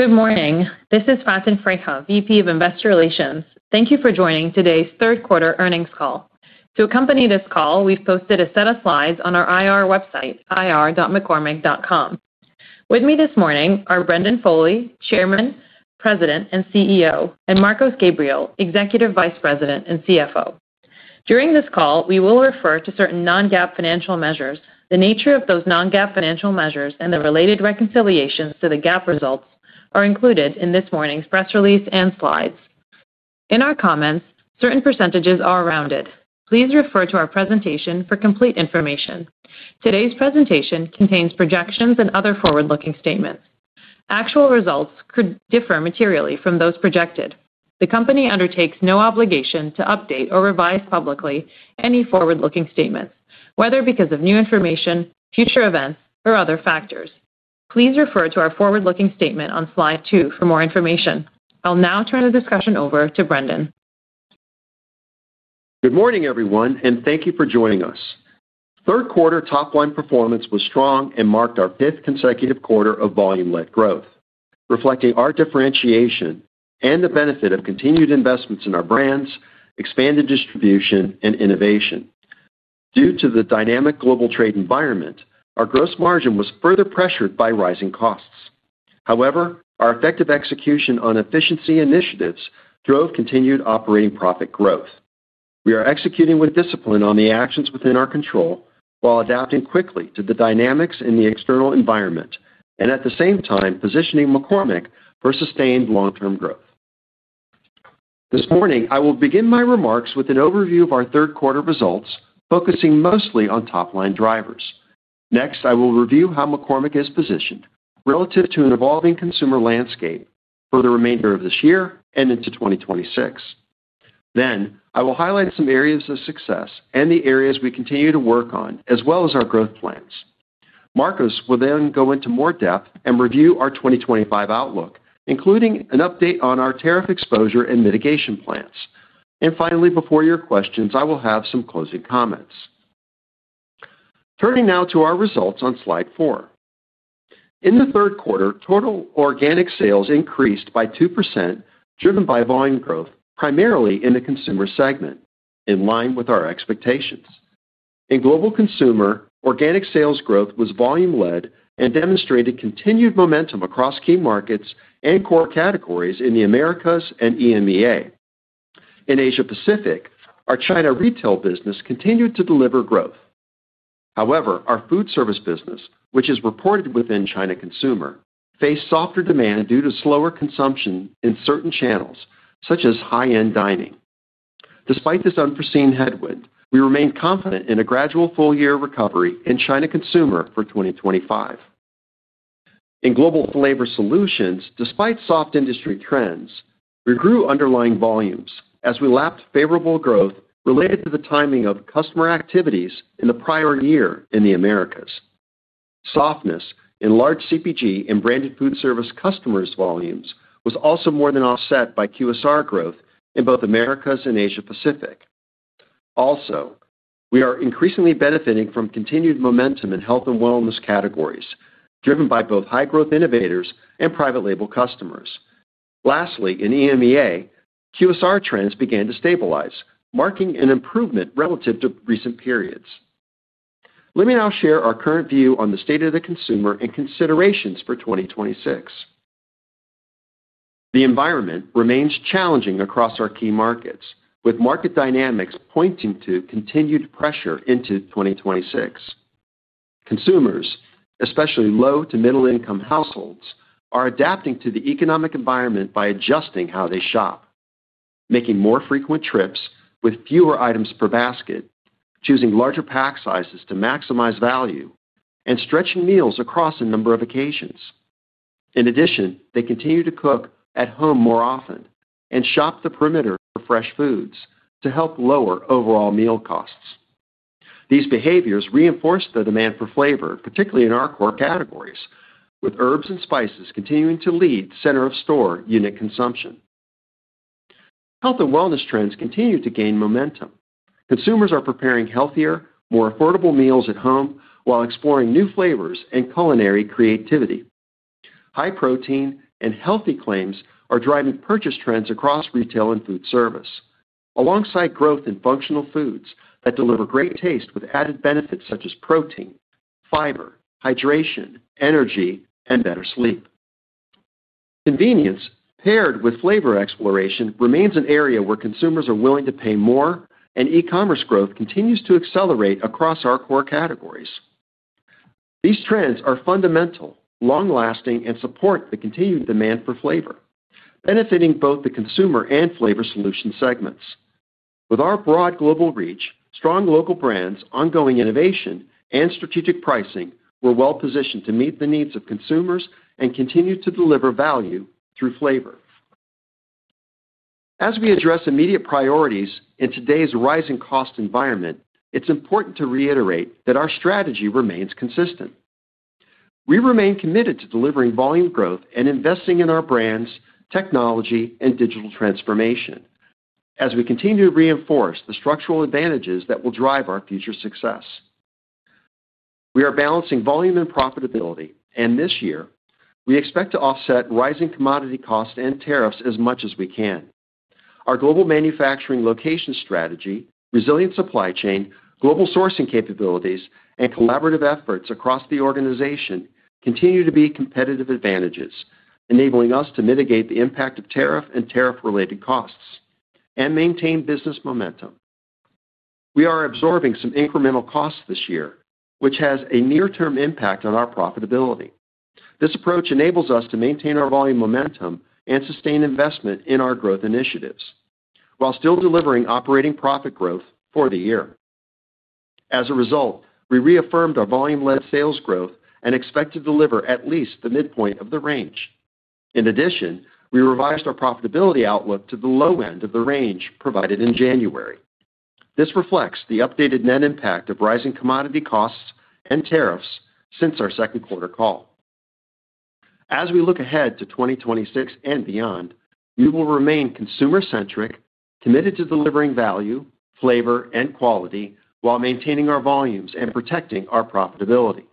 Good morning. This is Faten Freiha, VP of Investor Relations. Thank you for joining today's Third-Quarter Earnings Call. To accompany this call, we've posted a set of slides on our IR website, ir.mccormick.com. With me this morning are Brendan Foley, Chairman, President, and CEO, and Marcos Gabriel, Executive Vice President and CFO. During this call, we will refer to certain non-GAAP financial measures. The nature of those non-GAAP financial measures and the related reconciliations to the GAAP results are included in this morning's press release and slides. In our comments, certain percentages are rounded. Please refer to our presentation for complete information. Today's presentation contains projections and other forward-looking statements. Actual results could differ materially from those projected. The company undertakes no obligation to update or revise publicly any forward-looking statement, whether because of new information, future events, or other factors. Please refer to our forward-looking statement on slide two for more information. I'll now turn the discussion over to Brendan. Good morning, everyone, and thank you for joining us. Third quarter top-line performance was strong and marked our fifth consecutive quarter of volume-led growth, reflecting our differentiation and the benefit of continued investments in our brands, expanded distribution, and innovation. Due to the dynamic global trade environment, our gross margin was further pressured by rising costs. However, our effective execution on efficiency initiatives drove continued operating profit growth. We are executing with discipline on the actions within our control, while adapting quickly to the dynamics in the external environment and, at the same time, positioning McCormick for sustained long-term growth. This morning, I will begin my remarks with an overview of our third-quarter results, focusing mostly on top-line drivers. Next, I will review how McCormick is positioned relative to an evolving consumer landscape for the remainder of this year and into 2026. I will highlight some areas of success and the areas we continue to work on, as well as our growth plans. Marcos will then go into more depth and review our 2025 outlook, including an update on our tariff exposure and mitigation plans. Finally, before your questions, I will have some closing comments. Turning now to our results on slide four. In the third quarter, total organic sales increased by 2%, driven by volume growth, primarily in the Consumer segment, in line with our expectations. In global Consumer, organic sales growth was volume-led and demonstrated continued momentum across key markets and core categories in the Americas and EMEA. In Asia-Pacific, our China retail business continued to deliver growth. However, our food service business, which is reported within China Consumer, faced softer demand due to slower consumption in certain channels, such as high-end dining. Despite this unforeseen headwind, we remain confident in a gradual full-year recovery in China Consumer for 2025. In global Flavor Solutions, despite soft industry trends, we grew underlying volumes as we lapped favorable growth related to the timing of customer activities in the prior year in the Americas. Softness in large CPG and branded food service customers' volumes was also more than offset by QSR growth in both Americas and Asia-Pacific. We are increasingly benefiting from continued momentum in health and wellness categories, driven by both high-growth innovators and private label customers. Lastly, in EMEA, QSR trends began to stabilize, marking an improvement relative to recent periods. Let me now share our current view on the state of the Consumer and considerations for 2026. The environment remains challenging across our key markets, with market dynamics pointing to continued pressure into 2026. Consumers, especially low to middle-income households, are adapting to the economic environment by adjusting how they shop, making more frequent trips with fewer items per basket, choosing larger pack sizes to maximize value, and stretching meals across a number of occasions. In addition, they continue to cook at home more often and shop the perimeter for fresh foods to help lower overall meal costs. These behaviors reinforce the demand for flavor, particularly in our core categories, with herbs and spices continuing to lead center-of-store unit consumption. Health and wellness trends continue to gain momentum. Consumers are preparing healthier, more affordable meals at home while exploring new flavors and culinary creativity. High protein and healthy claims are driving purchase trends across retail and food service, alongside growth in functional foods that deliver great taste with added benefits such as protein, fiber, hydration, energy, and better sleep. Convenience, paired with flavor exploration, remains an area where consumers are willing to pay more, and e-commerce growth continues to accelerate across our core categories. These trends are fundamental, long-lasting, and support the continued demand for flavor, benefiting both the Consumer and Flavor Solutions segments. With our broad global reach, strong local brands, ongoing innovation, and strategic pricing, we're well positioned to meet the needs of consumers and continue to deliver value through flavor. As we address immediate priorities in today's rising cost environment, it's important to reiterate that our strategy remains consistent. We remain committed to delivering volume growth and investing in our brands, technology, and digital transformation as we continue to reinforce the structural advantages that will drive our future success. We are balancing volume and profitability, and this year, we expect to offset rising commodity costs and tariffs as much as we can. Our global manufacturing location strategy, resilient supply chain, global sourcing capabilities, and collaborative efforts across the organization continue to be competitive advantages, enabling us to mitigate the impact of tariff and tariff-related costs and maintain business momentum. We are absorbing some incremental costs this year, which has a near-term impact on our profitability. This approach enables us to maintain our volume momentum and sustain investment in our growth initiatives while still delivering operating profit growth for the year. As a result, we reaffirmed our volume-led sales growth and expect to deliver at least the midpoint of the range. In addition, we revised our profitability outlook to the low end of the range provided in January. This reflects the updated net impact of rising commodity costs and tariffs since our second-quarter call. As we look ahead to 2026 and beyond, we will remain consumer-centric, committed to delivering value, flavor, and quality while maintaining our volumes and protecting our profitability.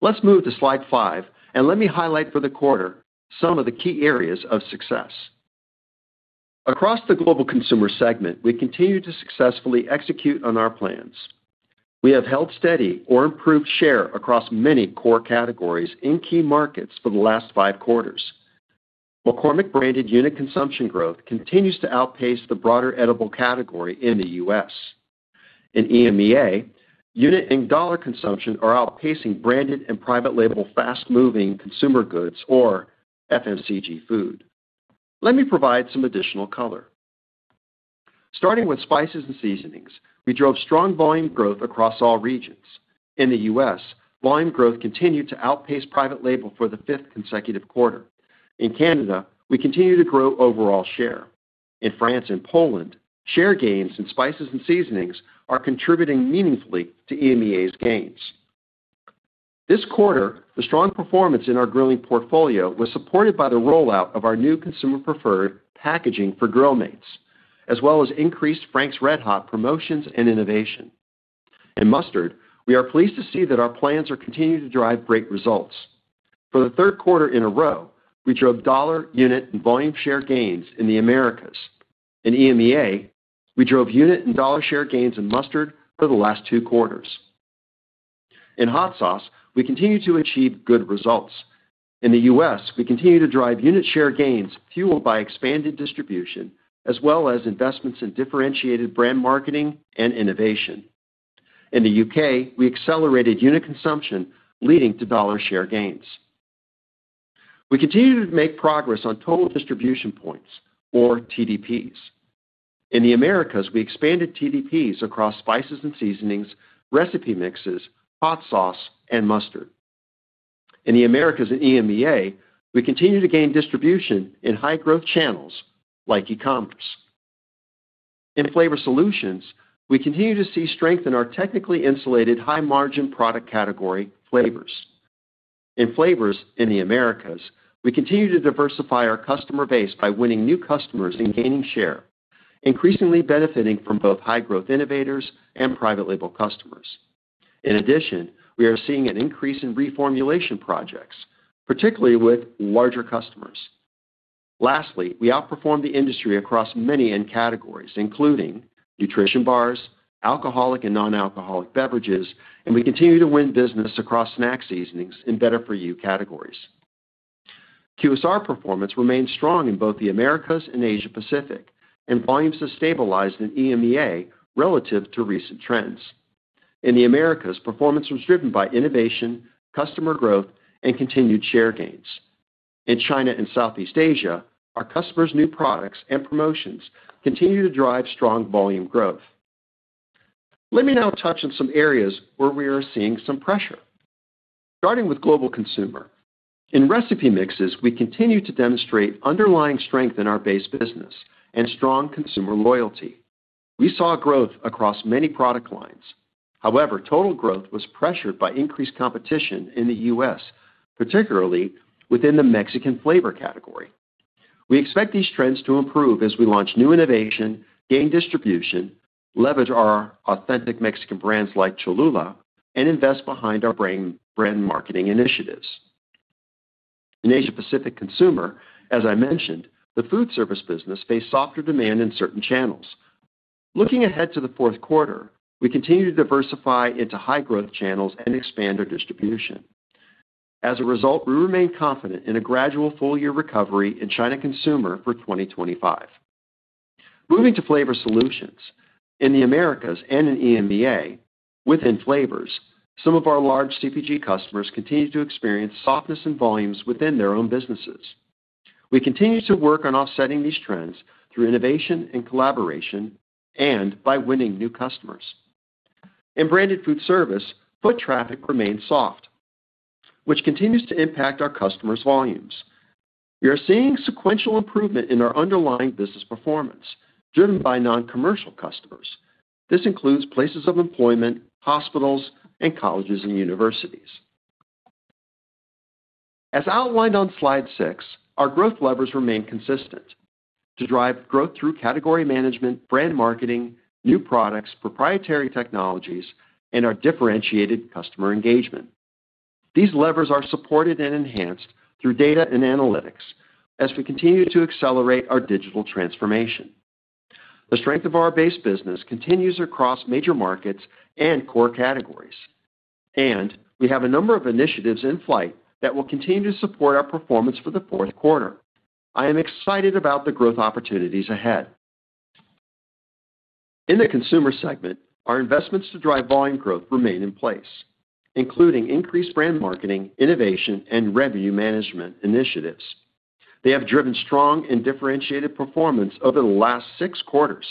Let's move to slide five, and let me highlight for the quarter some of the key areas of success. Across the global Consumer segment, we continue to successfully execute on our plans. We have held steady or improved share across many core categories in key markets for the last five quarters. McCormick branded unit consumption growth continues to outpace the broader edible category in the U.S. In EMEA, unit and dollar consumption are outpacing branded and private label fast-moving Consumer goods or FMCG food. Let me provide some additional color. Starting with spices and seasonings, we drove strong volume growth across all regions. In the U.S., volume growth continued to outpace private label for the fifth consecutive quarter. In Canada, we continue to grow overall share. In France and Poland, share gains in spices and seasonings are contributing meaningfully to EMEA's gains. This quarter, the strong performance in our grilling portfolio was supported by the rollout of our new Consumer-preferred packaging for Grill Mates, as well as increased Frank’s RedHot promotions and innovation. In mustard, we are pleased to see that our plans are continuing to drive great results. For the third quarter in a row, we drove dollar unit and volume share gains in the Americas. In EMEA, we drove unit and dollar share gains in mustard for the last two quarters. In hot sauce, we continue to achieve good results. In the U.S., we continue to drive unit share gains fueled by expanded distribution, as well as investments in differentiated brand marketing and innovation. In the U.K., we accelerated unit consumption, leading to dollar share gains. We continue to make progress on total distribution points, or TDPs. In the Americas, we expanded TDPs across spices and seasonings, recipe mixes, hot sauce, and mustard. In the Americas and EMEA, we continue to gain distribution in high-growth channels like e-commerce. In Flavor Solutions, we continue to see strength in our technically insulated high-margin product category, flavors. In flavors in the Americas, we continue to diversify our customer base by winning new customers and gaining share, increasingly benefiting from both high-growth innovators and private label customers. In addition, we are seeing an increase in reformulation projects, particularly with larger customers. Lastly, we outperformed the industry across many end categories, including nutrition bars, alcoholic and non-alcoholic beverages, and we continue to win business across snack seasonings and better-for-you categories. QSR performance remains strong in both the Americas and Asia-Pacific, and volumes have stabilized in EMEA relative to recent trends. In the Americas, performance was driven by innovation, customer growth, and continued share gains. In China and Southeast Asia, our customers' new products and promotions continue to drive strong volume growth. Let me now touch on some areas where we are seeing some pressure. Starting with global Consumer. In recipe mixes, we continue to demonstrate underlying strength in our base business and strong consumer loyalty. We saw growth across many product lines. However, total growth was pressured by increased competition in the U.S., particularly within the Mexican Flavor category. We expect these trends to improve as we launch new innovation, gain distribution, leverage our authentic Mexican brands like Cholula, and invest behind our brand marketing initiatives. In Asia-Pacific Consumer, as I mentioned, the food service business faced softer demand in certain channels. Looking ahead to the fourth quarter, we continue to diversify into high-growth channels and expand our distribution. As a result, we remain confident in a gradual full-year recovery in China Consumer for 2025. Moving to Flavor Solutions, in the Americas and in EMEA, within flavors, some of our large CPG customers continue to experience softness in volumes within their own businesses. We continue to work on offsetting these trends through innovation and collaboration and by winning new customers. In branded food service, foot traffic remains soft, which continues to impact our customers' volumes. We are seeing sequential improvement in our underlying business performance, driven by non-commercial customers. This includes places of employment, hospitals, and colleges and universities. As outlined on slide six, our growth levers remain consistent to drive growth through category management, brand marketing, new products, proprietary technologies, and our differentiated customer engagement. These levers are supported and enhanced through data and analytics as we continue to accelerate our digital transformation. The strength of our base business continues across major markets and core categories, and we have a number of initiatives in flight that will continue to support our performance for the fourth quarter. I am excited about the growth opportunities ahead. In the Consumer segment, our investments to drive volume growth remain in place, including increased brand marketing, innovation, and revenue management initiatives. They have driven strong and differentiated performance over the last six quarters.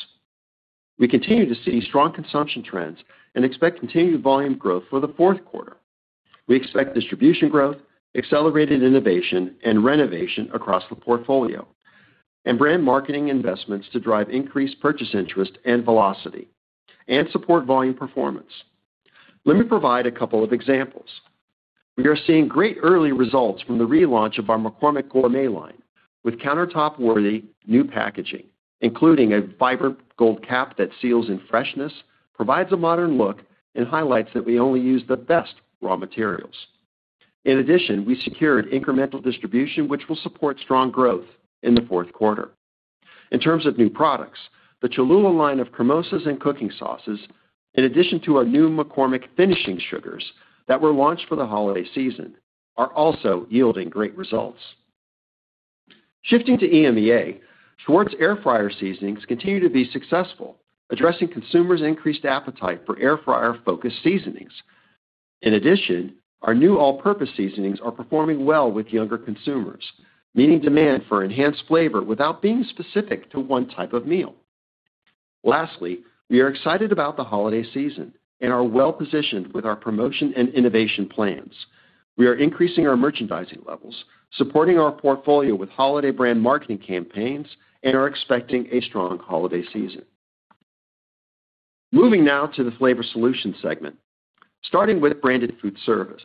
We continue to see strong consumption trends and expect continued volume growth for the fourth quarter. We expect distribution growth, accelerated innovation, and renovation across the portfolio, and brand marketing investments to drive increased purchase interest and velocity and support volume performance. Let me provide a couple of examples. We are seeing great early results from the relaunch of our McCormick Gourmet line, with countertop-worthy new packaging, including a fiberglass cap that seals in freshness, provides a modern look, and highlights that we only use the best raw materials. In addition, we secured incremental distribution, which will support strong growth in the fourth quarter. In terms of new products, the Cholula line of cremosas and cooking sauces, in addition to our new McCormick finishing sugars that were launched for the holiday season, are also yielding great results. Shifting to EMEA, Schwartz air fryer seasonings continue to be successful, addressing Consumers' increased appetite for air fryer-focused seasonings. In addition, our new all-purpose seasonings are performing well with younger consumers, meeting demand for enhanced flavor without being specific to one type of meal. Lastly, we are excited about the holiday season and are well positioned with our promotion and innovation plans. We are increasing our merchandising levels, supporting our portfolio with holiday brand marketing campaigns, and are expecting a strong holiday season. Moving now to the Flavor Solutions segment. Starting with branded food service,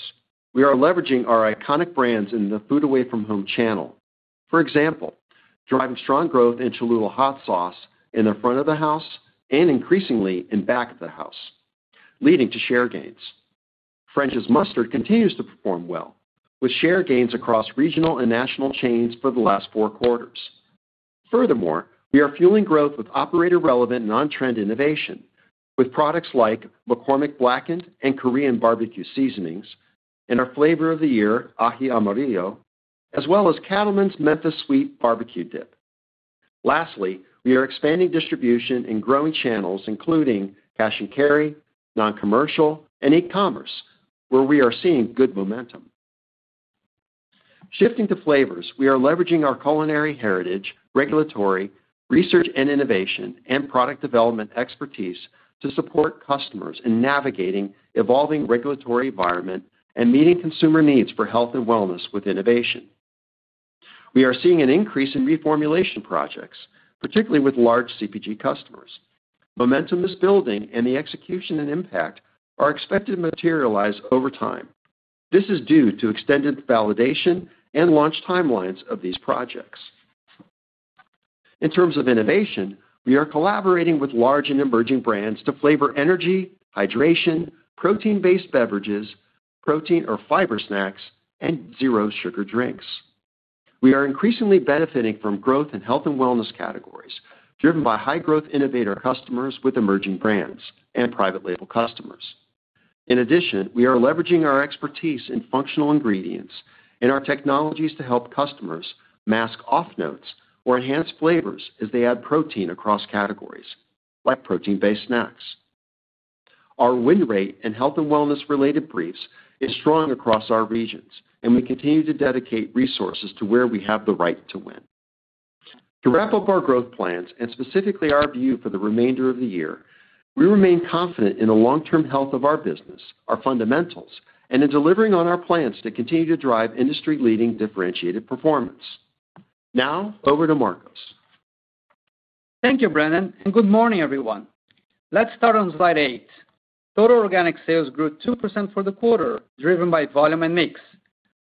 we are leveraging our iconic brands in the food away from home channel. For example, driving strong growth in Cholula hot sauce in the front of the house and increasingly in the back of the house, leading to share gains. French’s mustard continues to perform well, with share gains across regional and national chains for the last four quarters. Furthermore, we are fueling growth with operator-relevant non-trend innovation, with products like McCormick Blackened and Korean BBQ seasonings, and our flavor of the year, Aji Amarillo, as well as Cattlemen’s Memphis Sweet BBQ Dip. Lastly, we are expanding distribution in growing channels, including cash and carry, non-commercial, and e-commerce, where we are seeing good momentum. Shifting to flavors, we are leveraging our culinary heritage, regulatory research and innovation, and product development expertise to support customers in navigating the evolving regulatory environment and meeting consumer needs for health and wellness with innovation. We are seeing an increase in reformulation projects, particularly with large CPG customers. Momentum is building, and the execution and impact are expected to materialize over time. This is due to extended validation and launch timelines of these projects. In terms of innovation, we are collaborating with large and emerging brands to flavor energy, hydration, protein-based beverages, protein or fiber snacks, and zero-sugar drinks. We are increasingly benefiting from growth in health and wellness categories, driven by high-growth innovator customers with emerging brands and private label customers. In addition, we are leveraging our expertise in functional ingredients and our technologies to help customers mask off-notes or enhance flavors as they add protein across categories, like protein-based snacks. Our win rate in health and wellness-related briefs is strong across our regions, and we continue to dedicate resources to where we have the right to win. To wrap up our growth plans and specifically our view for the remainder of the year, we remain confident in the long-term health of our business, our fundamentals, and in delivering on our plans to continue to drive industry-leading differentiated performance. Now, over to Marcos. Thank you, Brendan, and good morning, everyone. Let's start on slide eight. Total organic sales grew 2% for the quarter, driven by volume and mix.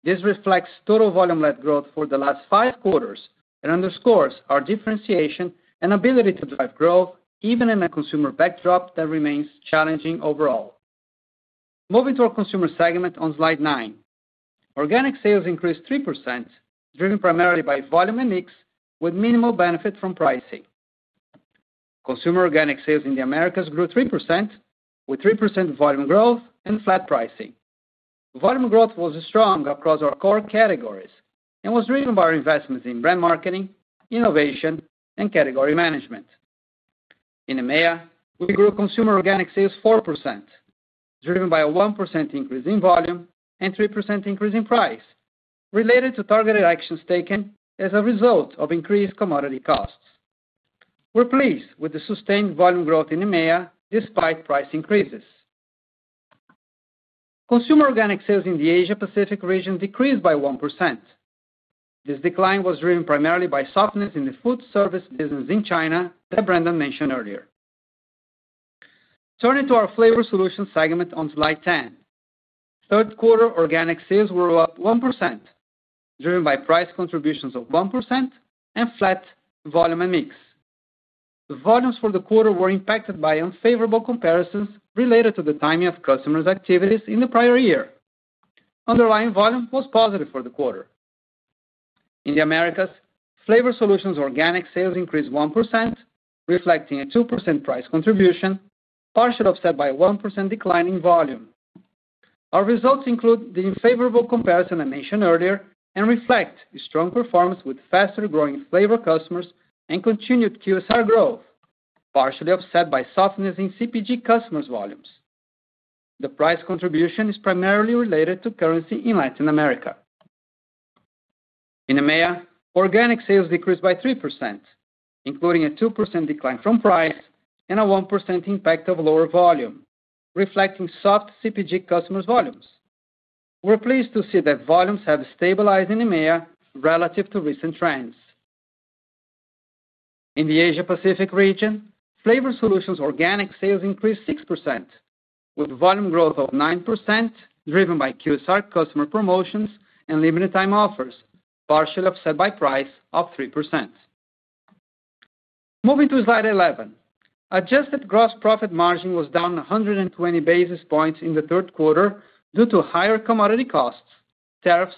This reflects total volume-led growth for the last five quarters and underscores our differentiation and ability to drive growth, even in a Consumer backdrop that remains challenging overall. Moving to our Consumer segment on slide nine, organic sales increased 3%, driven primarily by volume and mix, with minimal benefit from pricing. Consumer organic sales in the Americas grew 3%, with 3% volume growth and flat pricing. Volume growth was strong across our core categories and was driven by our investments in brand marketing, innovation, and category management. In EMEA, we grew Consumer organic sales 4%, driven by a 1% increase in volume and a 3% increase in price, related to targeted actions taken as a result of increased commodity costs. We're pleased with the sustained volume growth in EMEA, despite price increases. Consumer organic sales in the Asia-Pacific region decreased by 1%. This decline was driven primarily by softness in the food service business in China that Brendan mentioned earlier. Turning to our Flavor Solutions segment on slide 10, third quarter organic sales were up 1%, driven by price contributions of 1% and flat volume and mix. The volumes for the quarter were impacted by unfavorable comparisons related to the timing of customers' activities in the prior year. Underlying volume was positive for the quarter. In the Americas, Flavor Solutions' organic sales increased 1%, reflecting a 2% price contribution, partially offset by a 1% decline in volume. Our results include the favorable comparison I mentioned earlier and reflect a strong performance with faster growing flavor customers and continued QSR growth, partially offset by softness in CPG customers' volumes. The price contribution is primarily related to currency in Latin America. In EMEA, organic sales decreased by 3%, including a 2% decline from price and a 1% impact of lower volume, reflecting soft CPG customers' volumes. We're pleased to see that volumes have stabilized in EMEA relative to recent trends. In the Asia-Pacific region, Flavor Solutions' organic sales increased 6%, with volume growth of 9%, driven by QSR customer promotions and limited-time offers, partially offset by a price of 3%. Moving to slide 11, adjusted gross profit margin was down 120 basis points in the third quarter due to higher commodity costs, tariffs,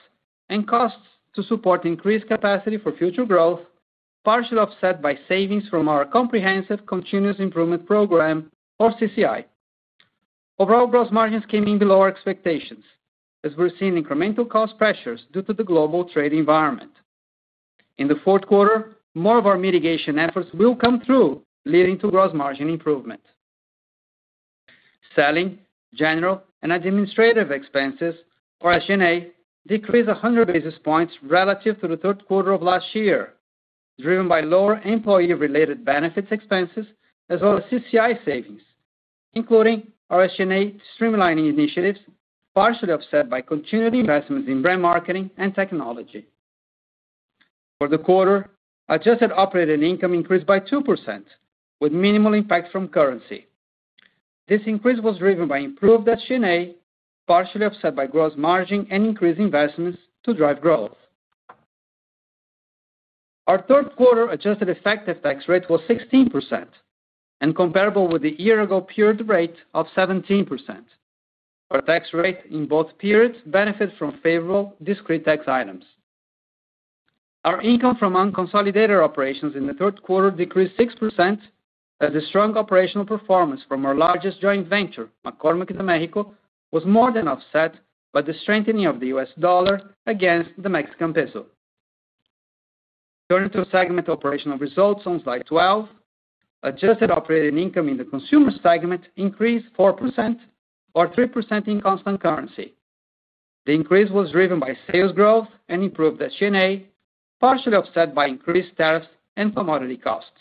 and costs to support increased capacity for future growth, partially offset by savings from our Comprehensive Continuous Improvement program, or CCI. Overall, gross margins came in below our expectations, as we're seeing incremental cost pressures due to the global trade environment. In the fourth quarter, more of our mitigation efforts will come through, leading to gross margin improvement. Selling, general, and administrative expenses, or SG&A, decreased 100 basis points relative to the third quarter of last year, driven by lower employee-related benefits expenses, as well as CCI savings, including our SG&A streamlining initiatives, partially offset by continued investments in brand marketing and technology. For the quarter, adjusted operating income increased by 2%, with minimal impact from currency. This increase was driven by improved SG&A, partially offset by gross margin and increased investments to drive growth. Our third quarter adjusted effective tax rate was 16% and comparable with the year-ago period rate of 17%. Our tax rate in both periods benefits from favorable discrete tax items. Our income from non-consolidator operations in the third quarter decreased 6%, as the strong operational performance from our largest joint venture, McCormick in Mexico, was more than offset by the strengthening of the U.S. dollar against the Mexican peso. Turning to segment operational results on slide 12, adjusted operating income in the Consumer segment increased 4% or 3% in constant currency. The increase was driven by sales growth and improved SG&A, partially offset by increased tariffs and commodity costs.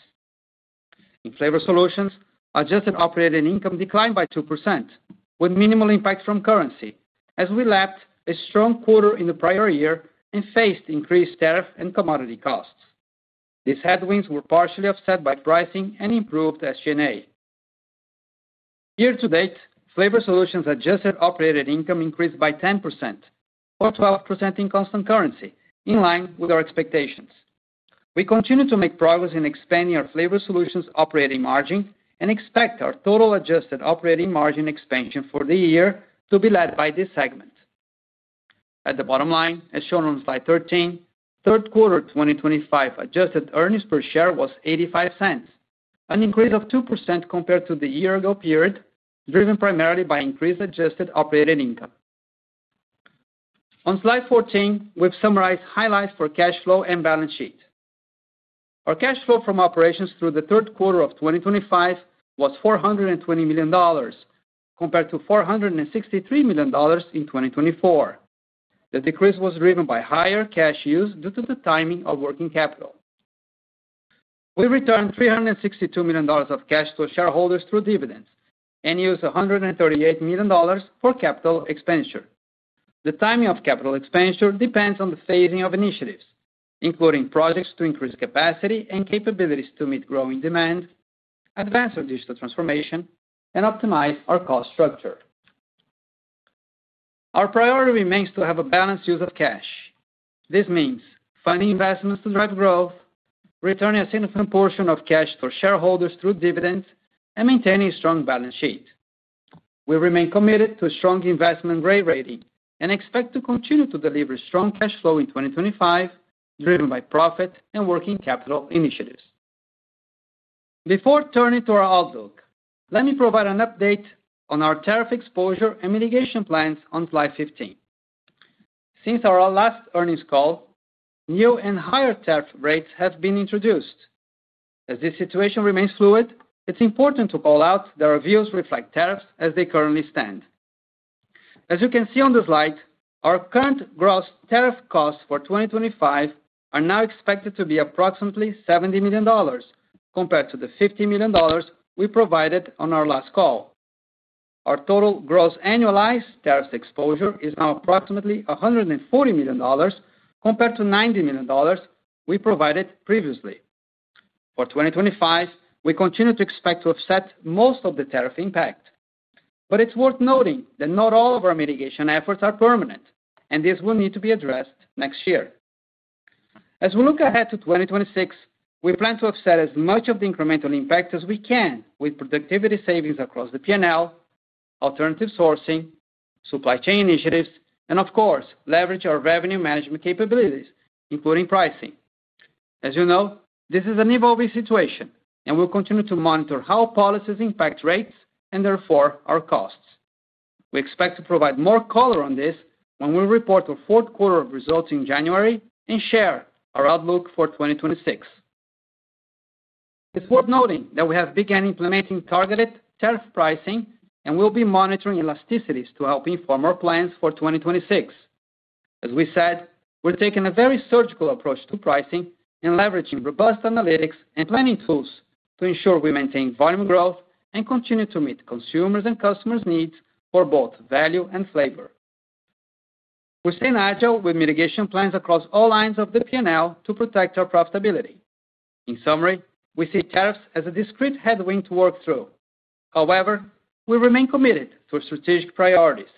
In Flavor Solutions, adjusted operating income declined by 2%, with minimal impact from currency, as we lapped a strong quarter in the prior year and faced increased tariffs and commodity costs. These headwinds were partially offset by pricing and improved SG&A. Year to date, Flavor Solutions' adjusted operating income increased by 10% or 12% in constant currency, in line with our expectations. We continue to make progress in expanding our Flavor Solutions' operating margin and expect our total adjusted operating margin expansion for the year to be led by this segment. At the bottom line, as shown on slide 13, third quarter 2025 adjusted earnings per share was $0.85, an increase of 2% compared to the year-ago period, driven primarily by increased adjusted operating income. On slide 14, we've summarized highlights for cash flow and balance sheet. Our cash flow from operations through the third quarter of 2025 was $420 million, compared to $463 million in 2024. The decrease was driven by higher cash use due to the timing of working capital. We returned $362 million of cash to shareholders through dividends and used $138 million for capital expenditure. The timing of capital expenditure depends on the phasing of initiatives, including projects to increase capacity and capabilities to meet growing demand, advance our digital transformation, and optimize our cost structure. Our priority remains to have a balanced use of cash. This means funding investments to drive growth, returning a significant portion of cash to shareholders through dividends, and maintaining a strong balance sheet. We remain committed to a strong investment rate rating and expect to continue to deliver strong cash flow in 2025, driven by profit and working capital initiatives. Before turning to our outlook, let me provide an update on our tariff exposure and mitigation plans on slide 15. Since our last earnings call, new and higher tariff rates have been introduced. As this situation remains fluid, it's important to call out that our views reflect tariffs as they currently stand. As you can see on the slide, our current gross tariff costs for 2025 are now expected to be approximately $70 million, compared to the $50 million we provided on our last call. Our total gross annualized tariff exposure is now approximately $140 million, compared to $90 million we provided previously. For 2025, we continue to expect to offset most of the tariff impact, but it's worth noting that not all of our mitigation efforts are permanent, and these will need to be addressed next year. As we look ahead to 2026, we plan to offset as much of the incremental impact as we can with productivity savings across the P&L, alternative sourcing, supply chain initiatives, and, of course, leverage our revenue management capabilities, including pricing. As you know, this is a nibble-obey situation, and we'll continue to monitor how policies impact rates and, therefore, our costs. We expect to provide more color on this when we report our fourth quarter results in January and share our outlook for 2026. It's worth noting that we have begun implementing targeted tariff pricing, and we'll be monitoring elasticities to help inform our plans for 2026. As we said, we're taking a very surgical approach to pricing and leveraging robust analytics and planning tools to ensure we maintain volume growth and continue to meet consumers' and customers' needs for both value and flavor. We stay agile with mitigation plans across all lines of the P&L to protect our profitability. In summary, we see tariffs as a discrete headwind to work through. However, we remain committed to our strategic priorities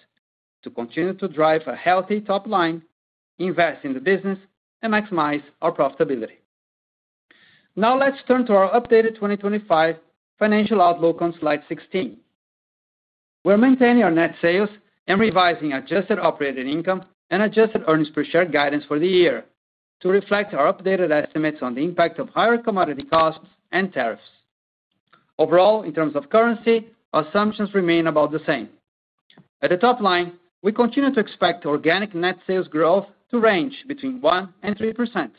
to continue to drive a healthy top line, invest in the business, and maximize our profitability. Now, let's turn to our updated 2025 financial outlook on slide 16. We're maintaining our net sales and revising adjusted operating income and adjusted earnings per share guidance for the year to reflect our updated estimates on the impact of higher commodity costs and tariffs. Overall, in terms of currency, assumptions remain about the same. At the top line, we continue to expect organic net sales growth to range between 1% and 3%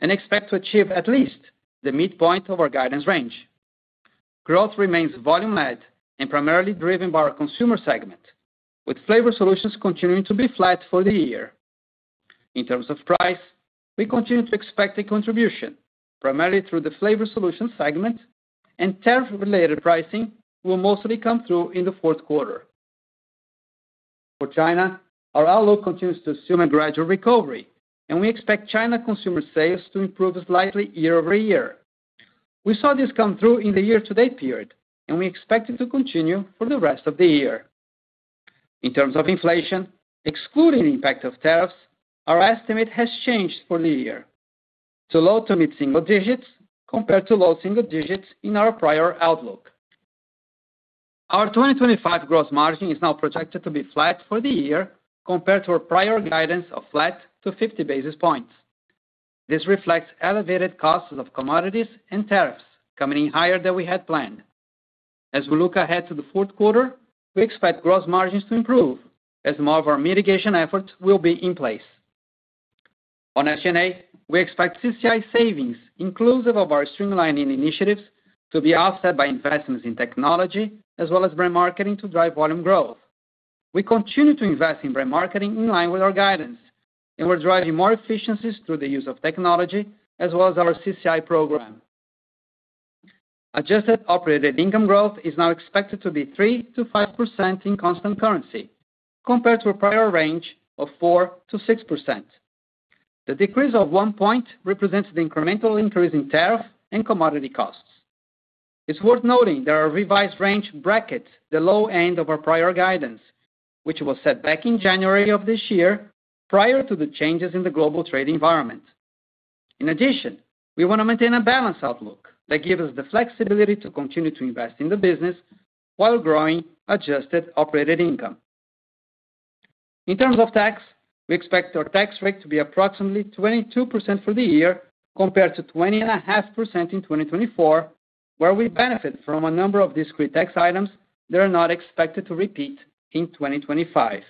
and expect to achieve at least the midpoint of our guidance range. Growth remains volume-led and primarily driven by our Consumer segment, with Flavor Solutions continuing to be flat for the year. In terms of price, we continue to expect a contribution primarily through the Flavor Solutions segment, and tariff-related pricing will mostly come through in the fourth quarter. For China, our outlook continues to assume a gradual recovery, and we expect China Consumer sales to improve slightly year-over-year. We saw this come through in the year-to-date period, and we expect it to continue for the rest of the year. In terms of inflation, excluding the impact of tariffs, our estimate has changed for the year to low to mid-single digits compared to low single digits in our prior outlook. Our 2025 gross margin is now projected to be flat for the year compared to our prior guidance of flat to 50 basis points. This reflects elevated costs of commodities and tariffs coming in higher than we had planned. As we look ahead to the fourth quarter, we expect gross margins to improve as more of our mitigation efforts will be in place. On SG&A, we expect CCI savings, inclusive of our streamlining initiatives, to be offset by investments in technology, as well as brand marketing to drive volume growth. We continue to invest in brand marketing in line with our guidance, and we're driving more efficiencies through the use of technology, as well as our CCI program. Adjusted operated income growth is now expected to be 3%-5% in constant currency, compared to a prior range of 4%-6%. The decrease of 1 point represents the incremental increase in tariff and commodity costs. It's worth noting that our revised range brackets the low end of our prior guidance, which was set back in January of this year, prior to the changes in the global trade environment. In addition, we want to maintain a balanced outlook that gives us the flexibility to continue to invest in the business while growing adjusted operated income. In terms of tax, we expect our tax rate to be approximately 22% for the year compared to 20.5% in 2024, where we benefit from a number of discrete tax items that are not expected to repeat in 2025.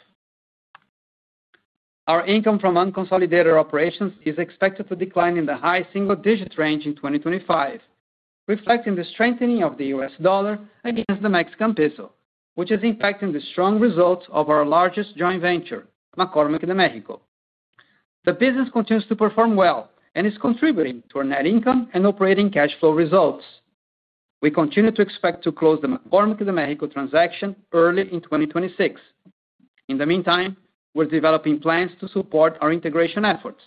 Our income from non-consolidator operations is expected to decline in the high single-digit range in 2025, reflecting the strengthening of the U.S. dollar against the Mexican peso, which is impacting the strong results of our largest joint venture, McCormick in Mexico. The business continues to perform well and is contributing to our net income and operating cash flow results. We continue to expect to close the McCormick in Mexico transaction early in 2026. In the meantime, we're developing plans to support our integration efforts,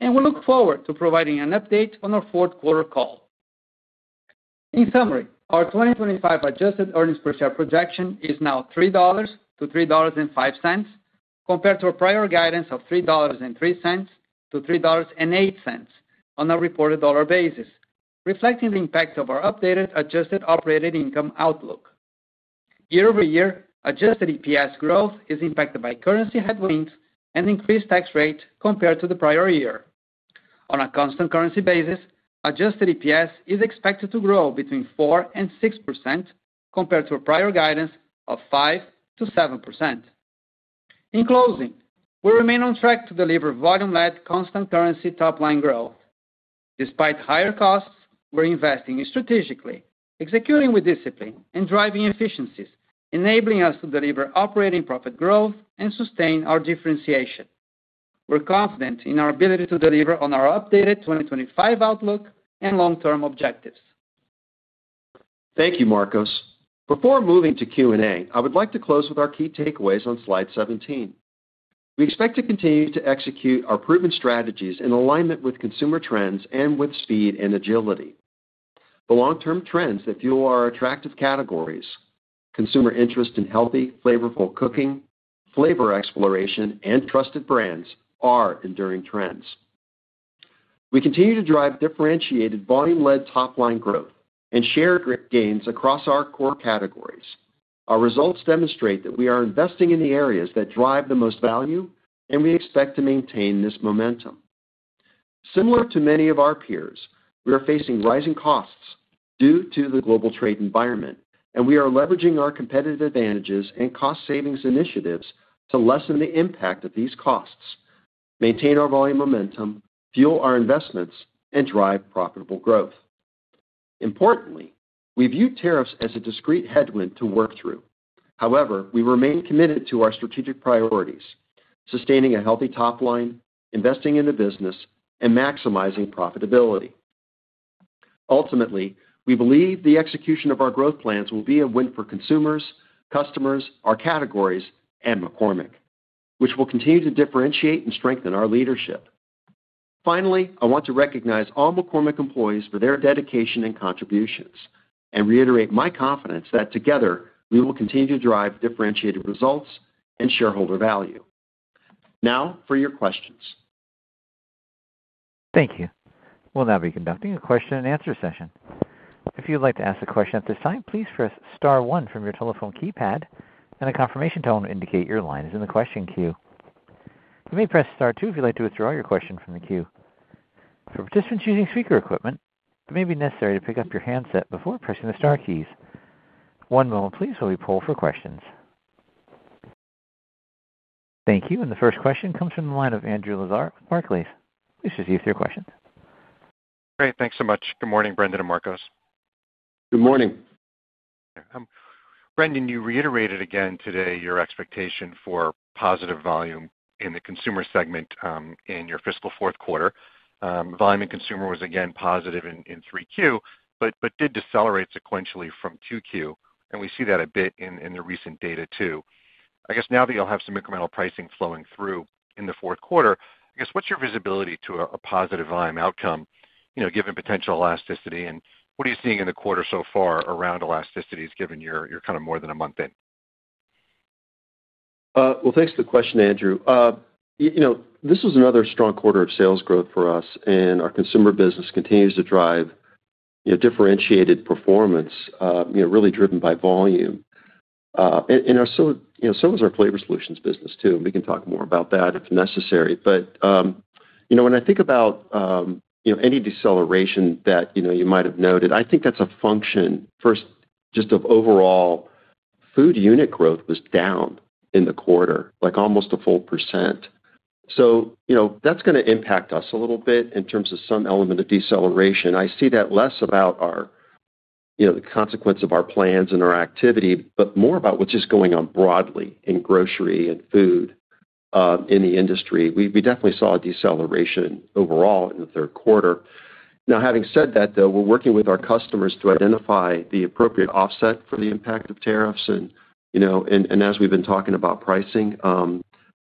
and we look forward to providing an update on our fourth quarter call. In summary, our 2025 adjusted earnings per share projection is now $3.00-$3.05 compared to our prior guidance of $3.03-$3.08 on a reported dollar basis, reflecting the impact of our updated adjusted operated income outlook. Year-over-year, adjusted EPS growth is impacted by currency headwinds and increased tax rates compared to the prior year. On a constant currency basis, adjusted EPS is expected to grow between 4% and 6% compared to a prior guidance of 5%-7%. In closing, we remain on track to deliver volume-led constant currency top-line growth. Despite higher costs, we're investing strategically, executing with discipline, and driving efficiencies, enabling us to deliver operating profit growth and sustain our differentiation. We're confident in our ability to deliver on our updated 2025 outlook and long-term objectives. Thank you, Marcos. Before moving to Q&A, I would like to close with our key takeaways on slide 17. We expect to continue to execute our proven strategies in alignment with consumer trends and with speed and agility. The long-term trends that fuel our attractive categories, consumer interest in healthy, flavorful cooking, flavor exploration, and trusted brands, are enduring trends. We continue to drive differentiated volume-led top-line growth and share growth gains across our core categories. Our results demonstrate that we are investing in the areas that drive the most value, and we expect to maintain this momentum. Similar to many of our peers, we are facing rising costs due to the global trade environment, and we are leveraging our competitive advantages and cost-savings initiatives to lessen the impact of these costs, maintain our volume momentum, fuel our investments, and drive profitable growth. Importantly, we view tariffs as a discrete headwind to work through. However, we remain committed to our strategic priorities, sustaining a healthy top line, investing in the business, and maximizing profitability. Ultimately, we believe the execution of our growth plans will be a win for consumers, customers, our categories, and McCormick, which will continue to differentiate and strengthen our leadership. Finally, I want to recognize all McCormick employees for their dedication and contributions and reiterate my confidence that together we will continue to drive differentiated results and shareholder value. Now for your questions. Thank you. We'll now be conducting a question and answer session. If you would like to ask a question at this time, please press star one from your telephone keypad, and a confirmation tone will indicate your line is in the question queue. You may press star two if you would like to withdraw your question from the queue. For participants using speaker equipment, it may be necessary to pick up your handset before pressing the star keys. One moment, please, while we poll for questions. Thank you. The first question comes from the line of Andrew Lazar. Barclays. Please, you should see your question. Great. Thanks so much. Good morning, Brendan and Marcos. Good morning. Brendan, you reiterated again today your expectation for positive volume in the Consumer segment in your fiscal fourth quarter. Volume in Consumer was again positive in 3Q, but did decelerate sequentially from 2Q, and we see that a bit in the recent data too. I guess now that you'll have some incremental pricing flowing through in the fourth quarter, what's your visibility to a positive volume outcome, you know, given potential elasticity? What are you seeing in the quarter so far around elasticities, given you're kind of more than a month in? Thanks for the question, Andrew. This was another strong quarter of sales growth for us, and our Consumer business continues to drive differentiated performance, really driven by volume. Our Flavor Solutions business is too. We can talk more about that if necessary. When I think about any deceleration that you might have noted, I think that's a function, first, just of overall food unit growth being down in the quarter, like almost a full percent. That's going to impact us a little bit in terms of some element of deceleration. I see that less as a consequence of our plans and our activity, but more about what's just going on broadly in grocery and food in the industry. We definitely saw a deceleration overall in the third quarter. Having said that, we're working with our customers to identify the appropriate offset for the impact of tariffs. As we've been talking about pricing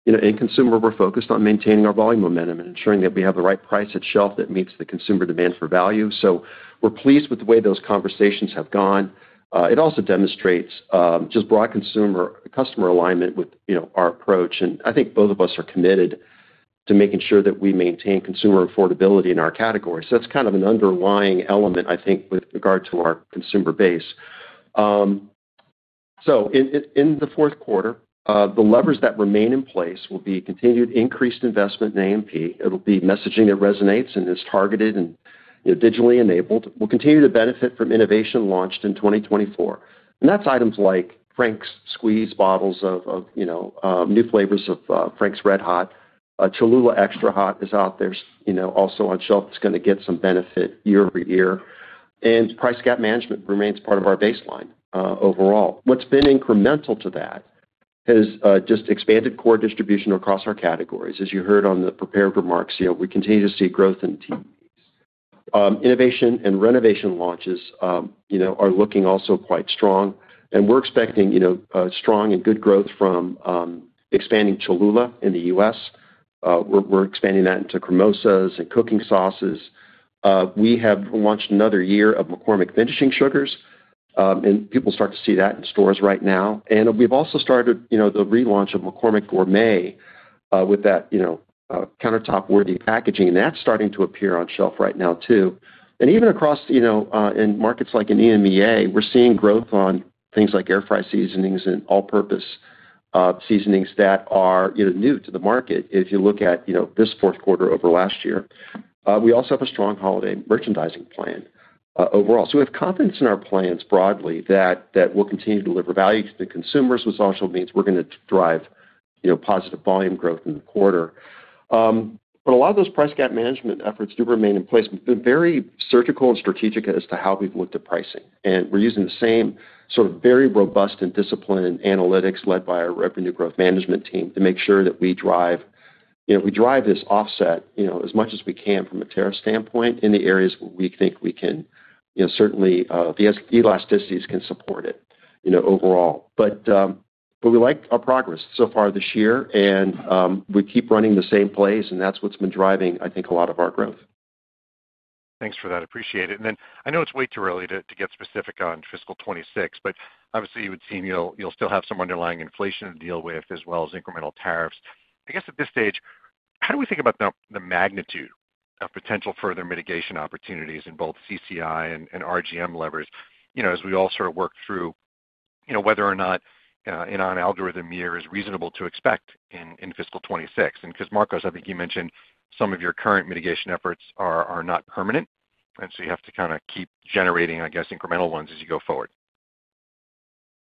in Consumer, we're focused on maintaining our volume momentum and ensuring that we have the right price at shelf that meets the consumer demand for value. We're pleased with the way those conversations have gone. It also demonstrates broad consumer customer alignment with our approach. I think both of us are committed to making sure that we maintain consumer affordability in our categories. That's an underlying element with regard to our consumer base. In the fourth quarter, the levers that remain in place will be continued increased investment in [AMP]. It'll be messaging that resonates and is targeted and digitally enabled. We'll continue to benefit from innovation launched in 2024. That's items like Frank’s squeeze bottles, new flavors of Frank’s RedHot, and Cholula Extra Hot is out there also on shelf. It's going to get some benefit year-over-year. Price gap management remains part of our baseline overall. What's been incremental to that is just expanded core distribution across our categories. As you heard on the prepared remarks, we continue to see growth in teams. Innovation and renovation launches are looking also quite strong. We're expecting strong and good growth from expanding Cholula in the U.S. We're expanding that into cremosas and cooking sauces. We have launched another year of McCormick finishing sugars, and people start to see that in stores right now. We've also started the relaunch of McCormick Gourmet with that countertop-worthy packaging, and that's starting to appear on shelf right now too. Even across in markets like in EMEA, we're seeing growth on things like air fry seasonings and all-purpose seasonings that are new to the market. If you look at this fourth quarter over last year, we also have a strong holiday merchandising plan overall. We have confidence in our plans broadly that we'll continue to deliver value to the Consumers, which also means we're going to drive positive volume growth in the quarter. A lot of those price gap management efforts do remain in place. We've been very surgical and strategic as to how we've looked at pricing. We're using the same sort of very robust and disciplined analytics led by our revenue growth management team to make sure that we drive this offset as much as we can from a tariff standpoint in the areas where we think we can, certainly the elasticities can support it overall. We like our progress so far this year, and we keep running the same plays, and that's what's been driving, I think, a lot of our growth. Thanks for that. Appreciate it. I know it's way too early to get specific on fiscal 2026, but obviously you would seem you'll still have some underlying inflation to deal with as well as incremental tariffs. At this stage, how do we think about the magnitude of potential further mitigation opportunities in both CCI and RGM levers, as we all sort of work through whether or not an algorithm year is reasonable to expect in fiscal 2026? Marcos, I think you mentioned some of your current mitigation efforts are not permanent, and so you have to kind of keep generating incremental ones as you go forward.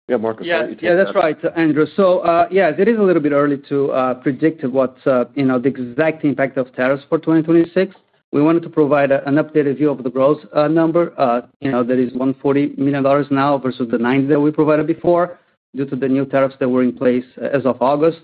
Yeah, Marcos. Yeah, that's right, Andrew. Yes, it is a little bit early to predict what's, you know, the exact impact of tariffs for 2026. We wanted to provide an updated view of the growth number. There is $140 million now versus the $90 million that we provided before due to the new tariffs that were in place as of August.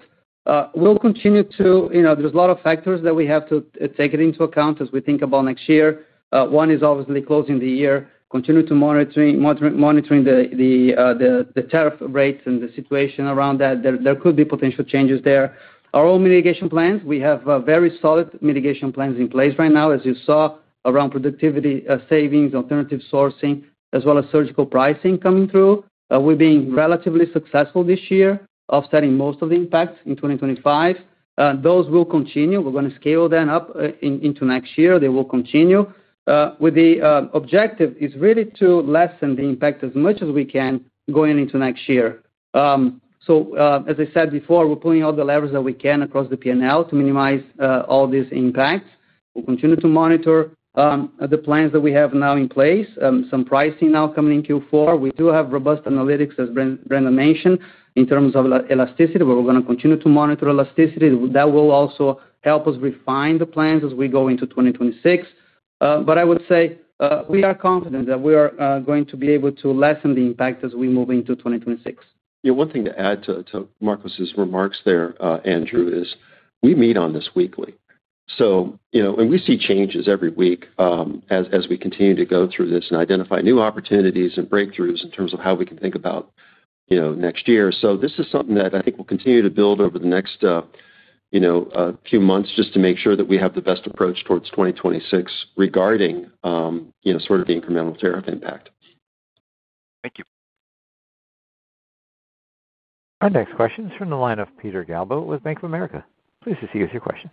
We'll continue to, you know, there are a lot of factors that we have to take into account as we think about next year. One is obviously closing the year, continuing to monitor the tariff rates and the situation around that. There could be potential changes there. Our own mitigation plans, we have very solid mitigation plans in place right now, as you saw, around productivity savings, alternative sourcing, as well as surgical pricing coming through. We're being relatively successful this year, offsetting most of the impact in 2025. Those will continue. We're going to scale that up into next year. They will continue. The objective is really to lessen the impact as much as we can going into next year. As I said before, we're pulling all the levers that we can across the P&L to minimize all these impacts. We'll continue to monitor the plans that we have now in place, some pricing now coming in Q4. We do have robust analytics, as Brendan mentioned, in terms of elasticity. We're going to continue to monitor elasticity. That will also help us refine the plans as we go into 2026. I would say we are confident that we are going to be able to lessen the impact as we move into 2026. Yeah, one thing to add to Marcos's remarks there, Andrew, is we meet on this weekly. We see changes every week as we continue to go through this and identify new opportunities and breakthroughs in terms of how we can think about next year. This is something that I think we'll continue to build over the next few months just to make sure that we have the best approach towards 2026 regarding the incremental tariff impact. Thank you. Our next question is from the line of Peter Galbo with Bank of America. Please proceed with your questions.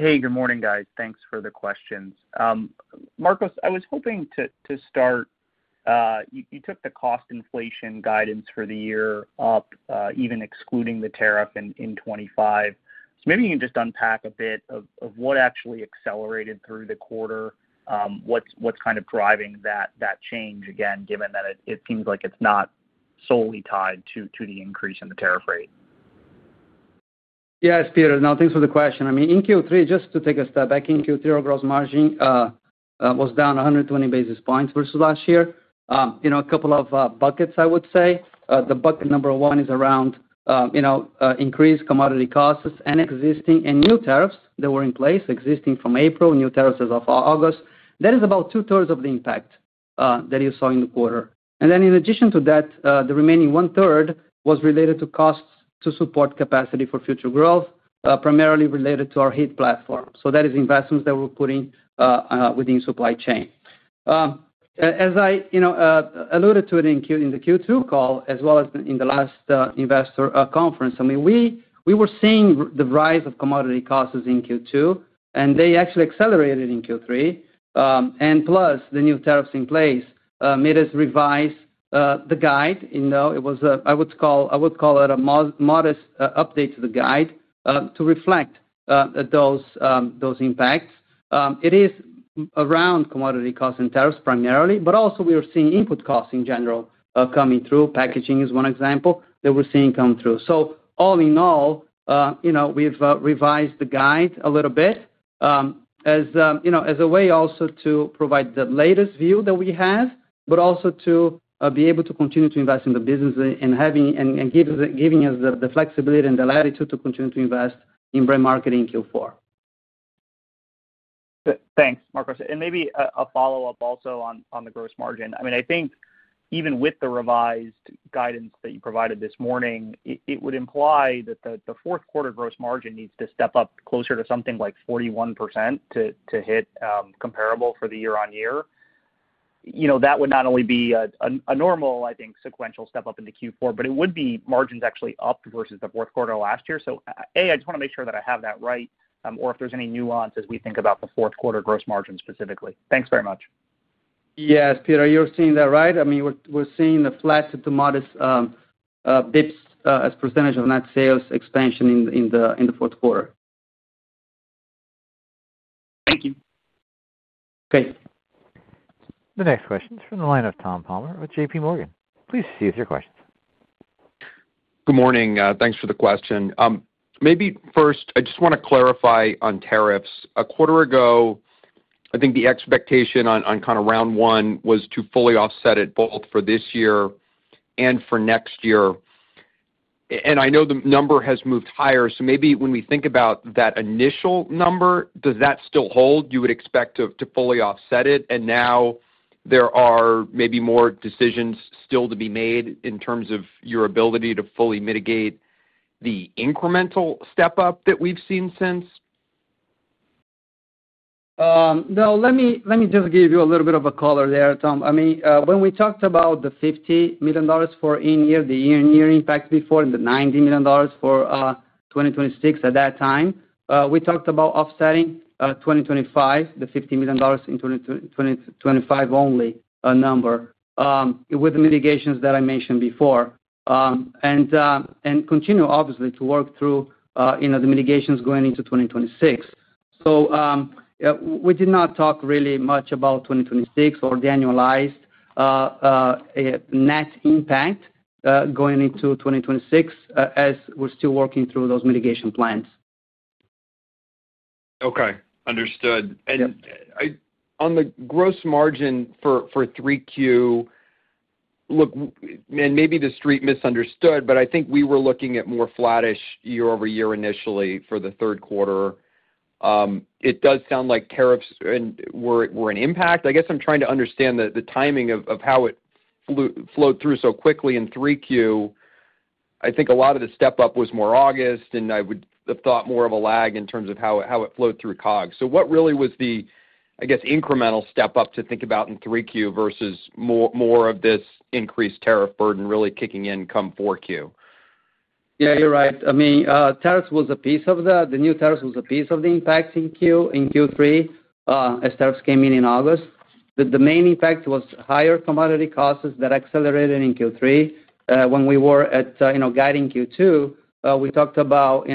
Hey, good morning, guys. Thanks for the questions. Marcos, I was hoping to start. You took the cost inflation guidance for the year up, even excluding the tariff in 2025. Maybe you can just unpack a bit of what actually accelerated through the quarter, what's kind of driving that change again, given that it seems like it's not solely tied to the increase in the tariff rate. Yes, Peter. No, thanks for the question. I mean, in Q3, just to take a step back, in Q3, our gross margin was down 120 basis points versus last year. A couple of buckets, I would say. The bucket number one is around increased commodity costs and existing and new tariffs that were in place, existing from April, new tariffs as of August. That is about 2/3 of the impact that you saw in the quarter. In addition to that, the remaining 1/3 was related to costs to support capacity for future growth, primarily related to our heat platform. That is investments that we're putting within supply chain. As I alluded to in the Q2 call, as well as in the last investor conference, we were seeing the rise of commodity costs in Q2, and they actually accelerated in Q3. Plus, the new tariffs in place made us revise the guide. It was, I would call it, a modest update to the guide to reflect those impacts. It is around commodity costs and tariffs primarily, but also we are seeing input costs in general coming through. Packaging is one example that we're seeing come through. All in all, we've revised the guide a little bit as a way also to provide the latest view that we have, but also to be able to continue to invest in the business and giving us the flexibility and the latitude to continue to invest in brand marketing in Q4. Thanks, Marcos. Maybe a follow-up also on the gross margin. I mean, I think even with the revised guidance that you provided this morning, it would imply that the fourth quarter gross margin needs to step up closer to something like 41% to hit comparable for the year-on-year. That would not only be a normal, I think, sequential step up into Q4, but it would be margins actually up versus the fourth quarter of last year. A, I just want to make sure that I have that right, or if there's any nuance as we think about the fourth quarter gross margin specifically. Thanks very much. Yes, Peter, you're seeing that right. I mean, we're seeing the flat to modest bips as a percentage of net sales expansion in the fourth quarter. Thank you. Okay. The next question is from the line of Tom Palmer with JPMorgan. Please proceed with your questions. Good morning. Thanks for the question. Maybe first, I just want to clarify on tariffs. A quarter ago, I think the expectation on kind of round one was to fully offset it both for this year and for next year. I know the number has moved higher. When we think about that initial number, does that still hold? You would expect to fully offset it. Now there are maybe more decisions still to be made in terms of your ability to fully mitigate the incremental step up that we've seen since. Let me just give you a little bit of color there, Tom. I mean, when we talked about the $50 million for in-year, the year-on-year impacts before, and the $90 million for 2026 at that time, we talked about offsetting 2025, the $50 million in 2025 only number with the mitigations that I mentioned before, and continue, obviously, to work through the mitigations going into 2026. We did not talk really much about 2026 or the annualized net impact going into 2026 as we're still working through those mitigation plans. Okay, understood. On the gross margin for 3Q, look, maybe the street misunderstood, but I think we were looking at more flattish year-over-year initially for the third quarter. It does sound like tariffs were an impact. I guess I'm trying to understand the timing of how it flowed through so quickly in 3Q. I think a lot of the step up was more August, and I would have thought more of a lag in terms of how it flowed through COG. What really was the incremental step up to think about in 3Q versus more of this increased tariff burden really kicking in come 4Q? Yeah, you're right. I mean, tariffs was a piece of that. The new tariffs was a piece of the impacts in Q3 as tariffs came in in August. The main impact was higher commodity costs that accelerated in Q3. When we were guiding Q2, we talked about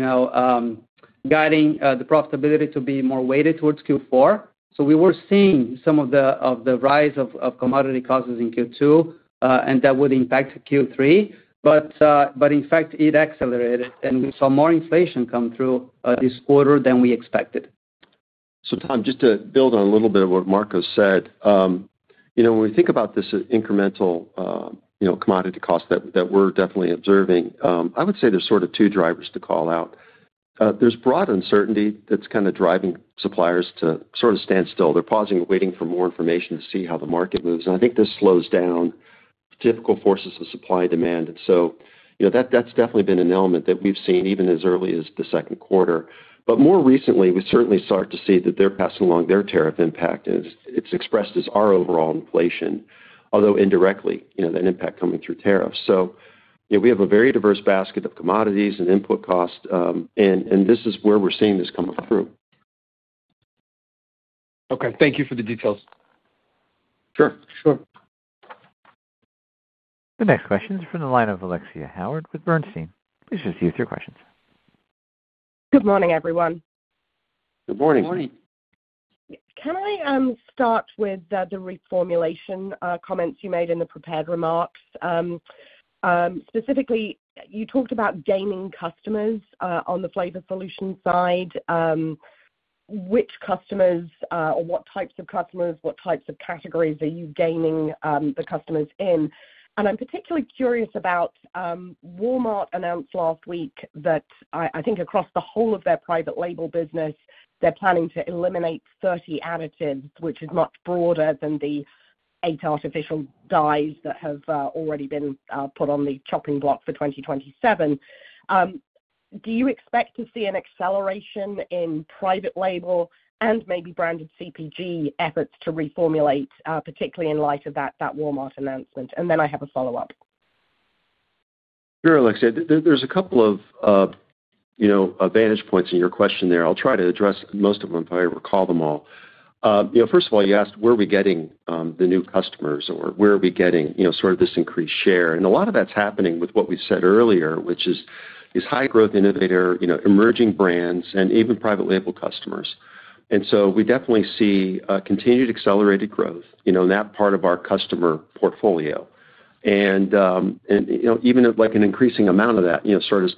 guiding the profitability to be more weighted towards Q4. We were seeing some of the rise of commodity costs in Q2, and that would impact Q3. In fact, it accelerated, and we saw more inflation come through this quarter than we expected. Tom, just to build on a little bit of what Marcos said, when we think about this incremental commodity cost that we're definitely observing, I would say there's sort of two drivers to call out. There's broad uncertainty that's kind of driving suppliers to stand still. They're pausing and waiting for more information to see how the market moves. I think this slows down typical forces of supply and demand. That's definitely been an element that we've seen even as early as the second quarter. More recently, we certainly start to see that they're passing along their tariff impact, and it's expressed as our overall inflation, although indirectly, that impact coming through tariffs. We have a very diverse basket of commodities and input costs, and this is where we're seeing this come through. Okay, thank you for the details. Sure. The next question is from the line of Alexia Howard with Bernstein. Please proceed with your questions. Good morning, everyone. Good morning. Good morning. Can I start with the reformulation comments you made in the prepared remarks? Specifically, you talked about gaming customers on the Flavor Solutions side. Which customers or what types of customers, what types of categories are you gaming the customers in? I'm particularly curious about, Walmart announced last week that I think across the whole of their private label business, they're planning to eliminate 30 additives, which is much broader than the eight artificial dyes that have already been put on the chopping block for 2027. Do you expect to see an acceleration in private label and maybe branded CPG efforts to reformulate, particularly in light of that Walmart announcement? I have a follow-up. Sure, Alexia. There's a couple of vantage points in your question there. I'll try to address most of them if I recall them all. First of all, you asked where are we getting the new customers or where are we getting this increased share. A lot of that's happening with what we said earlier, which is high growth innovator, emerging brands, and even private label customers. We definitely see continued accelerated growth in that part of our customer portfolio. Even an increasing amount of that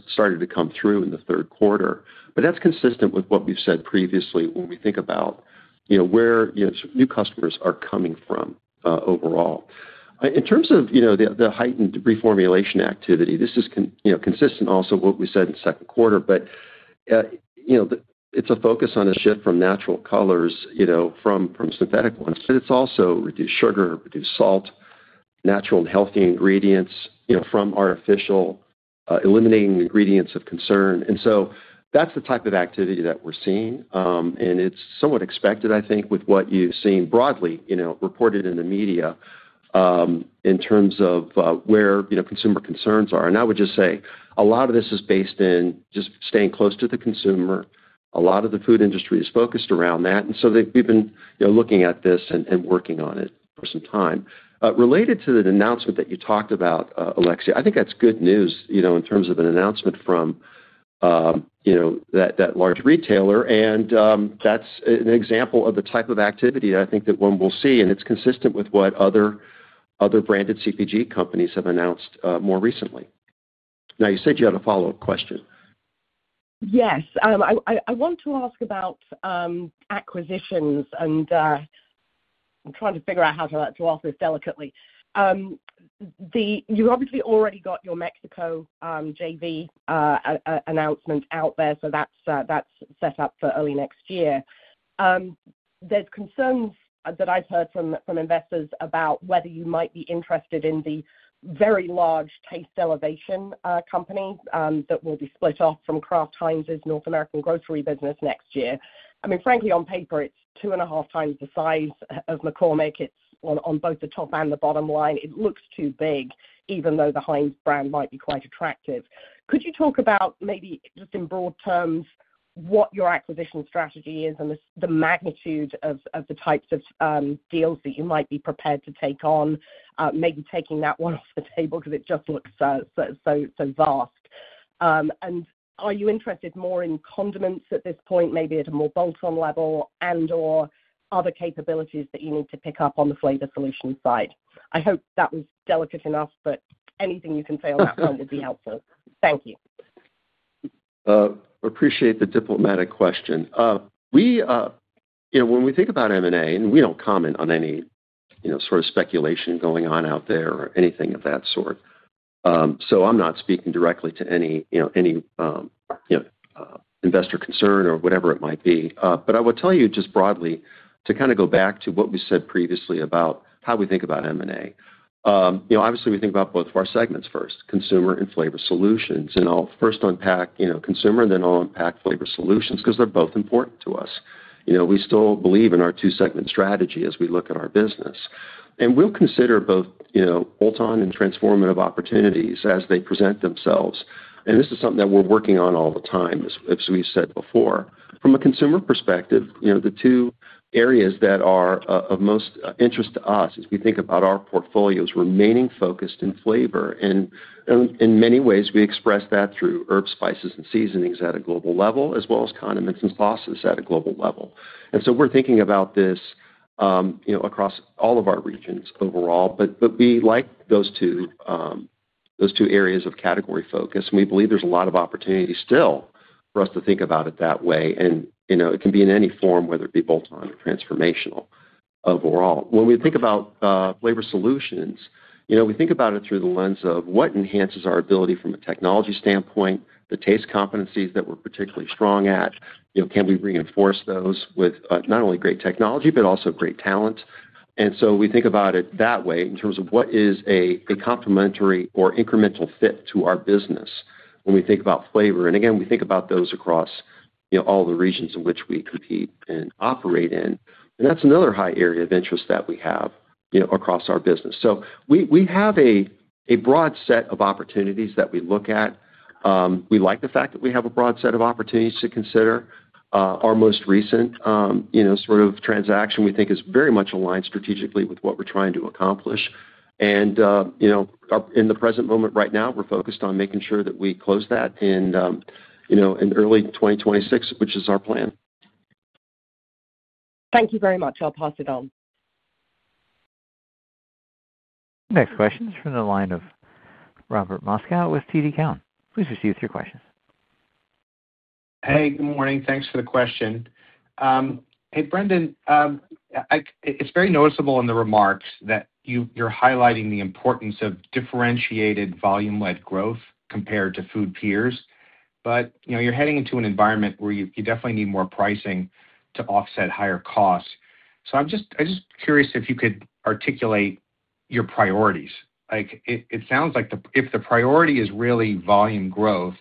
started to come through in the third quarter. That's consistent with what we've said previously when we think about where new customers are coming from overall. In terms of the heightened reformulation activity, this is consistent also with what we said in the second quarter. It's a focus on a shift from natural colors from synthetic ones. It's also reduced sugar, reduced salt, natural and healthy ingredients from artificial, eliminating ingredients of concern. That's the type of activity that we're seeing. It's somewhat expected, I think, with what you've seen broadly reported in the media in terms of where consumer concerns are. I would just say a lot of this is based in just staying close to the consumer. A lot of the food industry is focused around that. We've been looking at this and working on it for some time. Related to the announcement that you talked about, Alexia, I think that's good news in terms of an announcement from that large retailer. That's an example of the type of activity that I think that one will see. It's consistent with what other branded CPG companies have announced more recently. You said you had a follow-up question. Yes. I want to ask about acquisitions, and I'm trying to figure out how to answer this delicately. You obviously already got your Mexico JV announcement out there. That's set up for early next year. There's concerns that I've heard from investors about whether you might be interested in the very large taste elevation company that will be split off from Kraft Heinz's North American grocery business next year. Frankly, on paper, it's 2 1/2 times the size of McCormick. It's on both the top and the bottom line. It looks too big, even though the Heinz brand might be quite attractive. Could you talk about maybe just in broad terms what your acquisition strategy is and the magnitude of the types of deals that you might be prepared to take on, maybe taking that one off the table because it just looks so vast? Are you interested more in condiments at this point, maybe at a more bolt-on level, and/or other capabilities that you need to pick up on the Flavor Solutions side? I hope that was delicate enough, but anything you can say on that front would be helpful. Thank you. Appreciate the diplomatic question. When we think about M&A, we don't comment on any speculation going on out there or anything of that sort. I'm not speaking directly to any investor concern or whatever it might be. I would tell you just broadly to go back to what we said previously about how we think about M&A. Obviously, we think about both of our segments first, Consumer and Flavor Solutions. I'll first unpack Consumer and then I'll unpack Flavor Solutions because they're both important to us. We still believe in our two-segment strategy as we look at our business. We'll consider both bolt-on and transformative opportunities as they present themselves. This is something that we're working on all the time, as we said before. From a Consumer perspective, the two areas that are of most interest to us as we think about our portfolios remain focused in flavor. In many ways, we express that through herbs, spices, and seasonings at a global level, as well as condiments and sauces at a global level. We're thinking about this across all of our regions overall. We like those two areas of category focus, and we believe there's a lot of opportunity still for us to think about it that way. It can be in any form, whether it be bolt-on or transformational overall. When we think about Flavor Solutions, we think about it through the lens of what enhances our ability from a technology standpoint, the taste competencies that we're particularly strong at. Can we reinforce those with not only great technology, but also great talent? We think about it that way in terms of what is a complementary or incremental fit to our business when we think about flavor. We think about those across all the regions in which we compete and operate in. That's another high area of interest that we have across our business. We have a broad set of opportunities that we look at. We like the fact that we have a broad set of opportunities to consider. Our most recent transaction we think is very much aligned strategically with what we're trying to accomplish. In the present moment right now, we're focused on making sure that we close that in early 2026, which is our plan. Thank you very much. I'll pass it on. Next question is from the line of Robert Moskow with TD Cowen. Please proceed with your questions. Hey, good morning. Thanks for the question. Hey, Brendan, it's very noticeable in the remarks that you're highlighting the importance of differentiated volume-led growth compared to food peers. You're heading into an environment where you definitely need more pricing to offset higher costs. I'm just curious if you could articulate your priorities. It sounds like if the priority is really volume growth,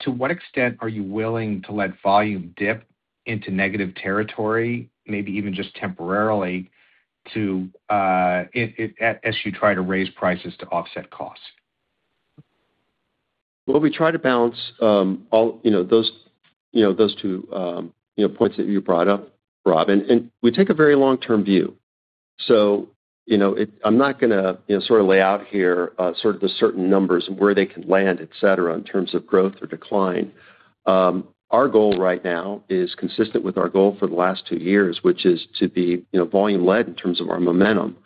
to what extent are you willing to let volume dip into negative territory, maybe even just temporarily, as you try to raise prices to offset costs? We try to balance all those two points that you brought up, Robin. We take a very long-term view. I'm not going to lay out here the certain numbers and where they can land, etc., in terms of growth or decline. Our goal right now is consistent with our goal for the last two years, which is to be volume-led in terms of our momentum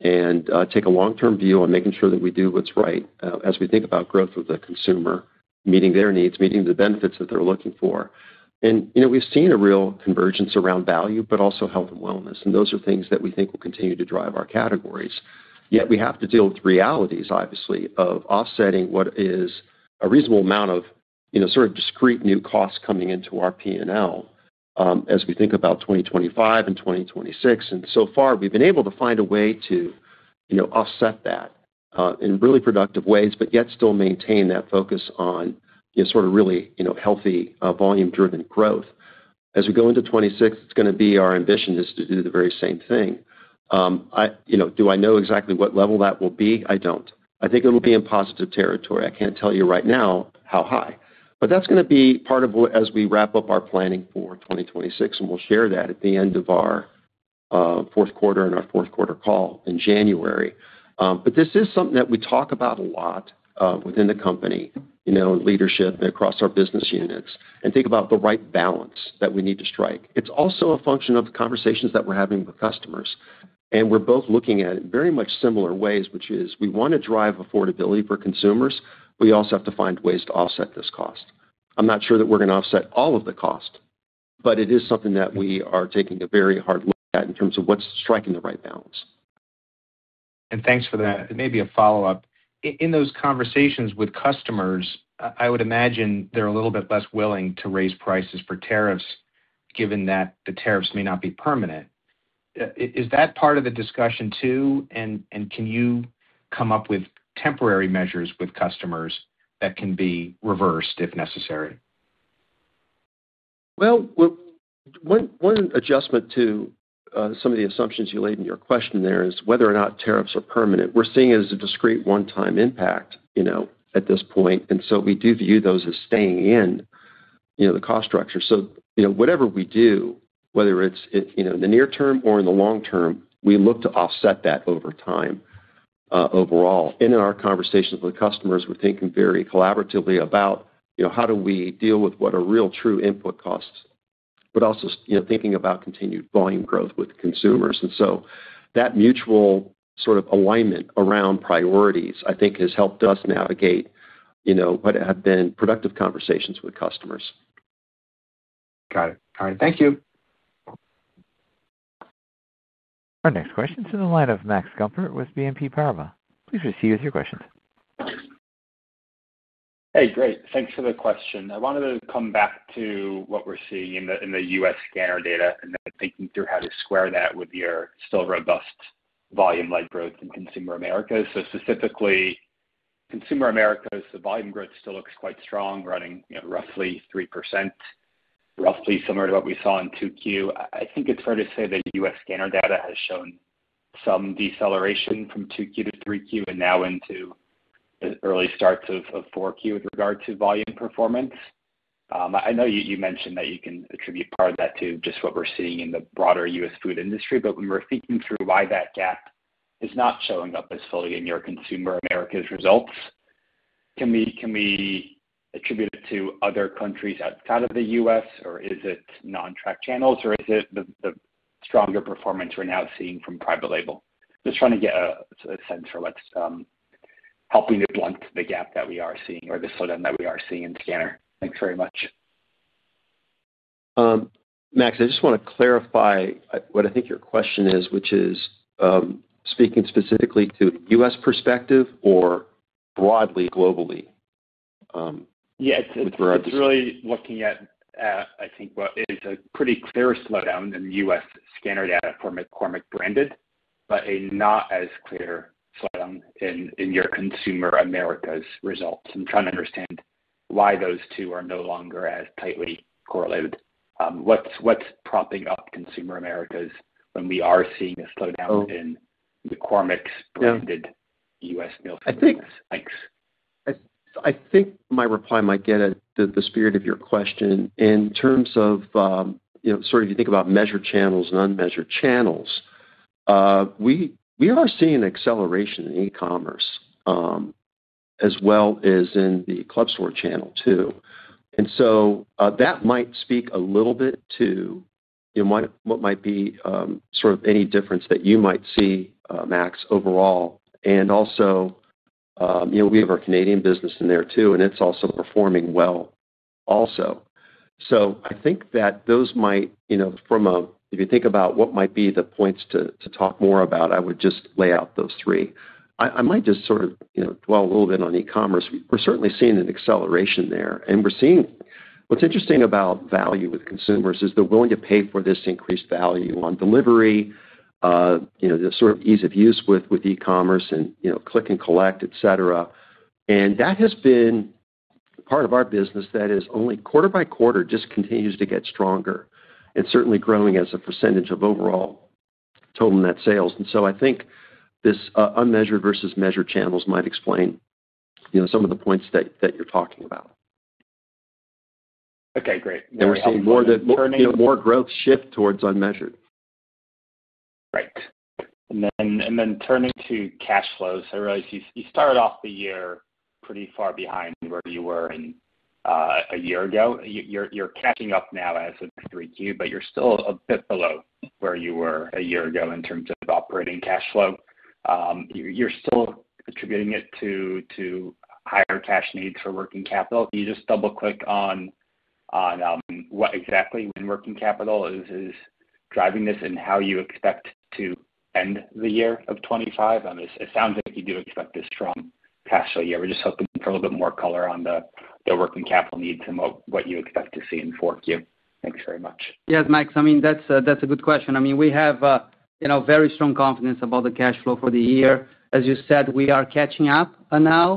and take a long-term view on making sure that we do what's right as we think about growth of the consumer, meeting their needs, meeting the benefits that they're looking for. We've seen a real convergence around value, but also health and wellness. Those are things that we think will continue to drive our categories. Yet we have to deal with the realities, obviously, of offsetting what is a reasonable amount of discrete new costs coming into our P&L as we think about 2025 and 2026. So far, we've been able to find a way to offset that in really productive ways, but yet still maintain that focus on really healthy volume-driven growth. As we go into 2026, our ambition is to do the very same thing. Do I know exactly what level that will be? I don't. I think it'll be in positive territory. I can't tell you right now how high. That's going to be part of what, as we wrap up our planning for 2026, we'll share at the end of our fourth quarter and our fourth quarter call in January. This is something that we talk about a lot within the company, leadership and across our business units, and think about the right balance that we need to strike. It's also a function of the conversations that we're having with customers. We're both looking at it in very much similar ways, which is we want to drive affordability for consumers. We also have to find ways to offset this cost. I'm not sure that we're going to offset all of the cost, but it is something that we are taking a very hard look at in terms of what's striking the right balance. Thank you for that. Maybe a follow-up. In those conversations with customers, I would imagine they're a little bit less willing to raise prices for tariffs, given that the tariffs may not be permanent. Is that part of the discussion too? Can you come up with temporary measures with customers that can be reversed if necessary? One adjustment to some of the assumptions you laid in your question there is whether or not tariffs are permanent. We're seeing it as a discrete one-time impact at this point, and we do view those as staying in the cost structure. Whatever we do, whether it's in the near term or in the long term, we look to offset that over time overall. In our conversations with customers, we think very collaboratively about how do we deal with what are real true input costs, but also thinking about continued volume growth with consumers. That mutual sort of alignment around priorities, I think, has helped us navigate what have been productive conversations with customers. Got it. All right. Thank you. Our next question is on the line of Max Gumport with BNP Paribas. Please proceed with your questions. Hey, great. Thanks for the question. I wanted to come back to what we're seeing in the U.S. scanner data and then thinking through how to square that with your still robust volume-led growth in Consumer Americas. Specifically, Consumer Americas, the volume growth still looks quite strong, running roughly 3%, roughly similar to what we saw in 2Q. I think it's fair to say that U.S. scanner data has shown some deceleration from 2Q to 3Q and now into the early starts of 4Q with regard to volume performance. I know you mentioned that you can attribute part of that to just what we're seeing in the broader U.S. food industry, but when we're thinking through why that gap is not showing up as fully in your Consumer Americas results, can we attribute it to other countries outside of the U.S., or is it non-track channels, or is it the stronger performance we're now seeing from private label? Just trying to get a sense for what's helping to blunt the gap that we are seeing or the slowdown that we are seeing in scanner. Thanks very much. Max, I just want to clarify what I think your question is, which is speaking specifically to U.S. perspective or broadly globally. Yeah, it's really looking at, I think, what is a pretty clear slowdown in the U.S. scanner data for McCormick branded, but not as clear a slowdown in your Consumer Americas results. I'm trying to understand why those two are no longer as tightly correlated. What's propping up Consumer Americas when we are seeing a slowdown in McCormick's branded U.S. meal? I think my reply might get at the spirit of your question. In terms of, you know, sort of if you think about measured channels and unmeasured channels, we are seeing an acceleration in e-commerce as well as in the club store channel too. That might speak a little bit to, you know, what might be sort of any difference that you might see, Max, overall. Also, we have our Canadian business in there too, and it's also performing well. I think that those might, you know, from a, if you think about what might be the points to talk more about, I would just lay out those three. I might just sort of, you know, dwell a little bit on e-commerce. We're certainly seeing an acceleration there. We're seeing, what's interesting about value with consumers is they're willing to pay for this increased value on delivery, you know, the sort of ease of use with e-commerce and, you know, click and collect, etc. That has been part of our business that is only quarter by quarter, just continues to get stronger. It's certainly growing as a percentage of overall total net sales. I think this unmeasured versus measured channels might explain, you know, some of the points that you're talking about. Okay, great. There was some more growth shift towards unmeasured. Right. Turning to cash flows, I realize you started off the year pretty far behind where you were a year ago. You're catching up now as of 3Q, but you're still a bit below where you were a year ago in terms of operating cash flow. You're still attributing it to higher cash needs for working capital. Can you just double-click on what exactly within working capital is driving this and how you expect to end the year of 2025? It sounds like you do expect this from cash flow year. We're just hoping to throw a little bit more color on the working capital needs and what you expect to see in 4Q. Thanks very much. Yes, Max, I mean, that's a good question. We have very strong confidence about the cash flow for the year. As you said, we are catching up now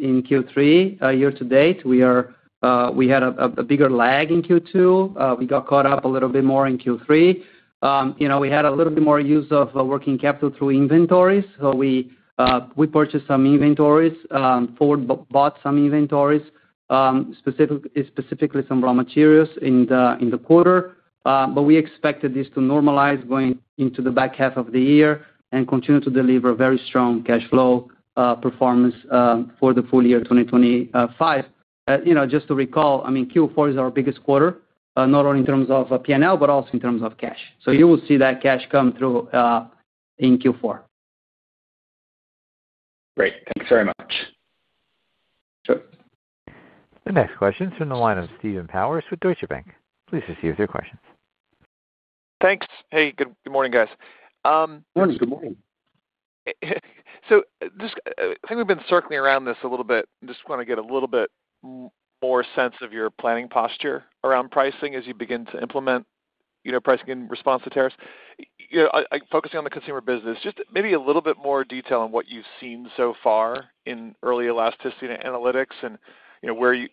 in Q3 year to date. We had a bigger lag in Q2. We got caught up a little bit more in Q3. We had a little bit more use of working capital through inventories. We purchased some inventories, bought some inventories, specifically from raw materials in the quarter. We expected this to normalize going into the back half of the year and continue to deliver very strong cash flow performance for the full year 2025. Just to recall, Q4 is our biggest quarter, not only in terms of P&L, but also in terms of cash. You will see that cash come through in Q4. Great. Thanks very much. The next question is from the line of Steve Powers with Deutsche Bank. Please proceed with your questions. Thanks. Good morning, guys. Good morning. I think we've been circling around this a little bit. I just want to get a little bit more sense of your planning posture around pricing as you begin to implement pricing in response to tariffs. Focusing on the Consumer business, maybe a little bit more detail on what you've seen so far in early elasticity analytics and where you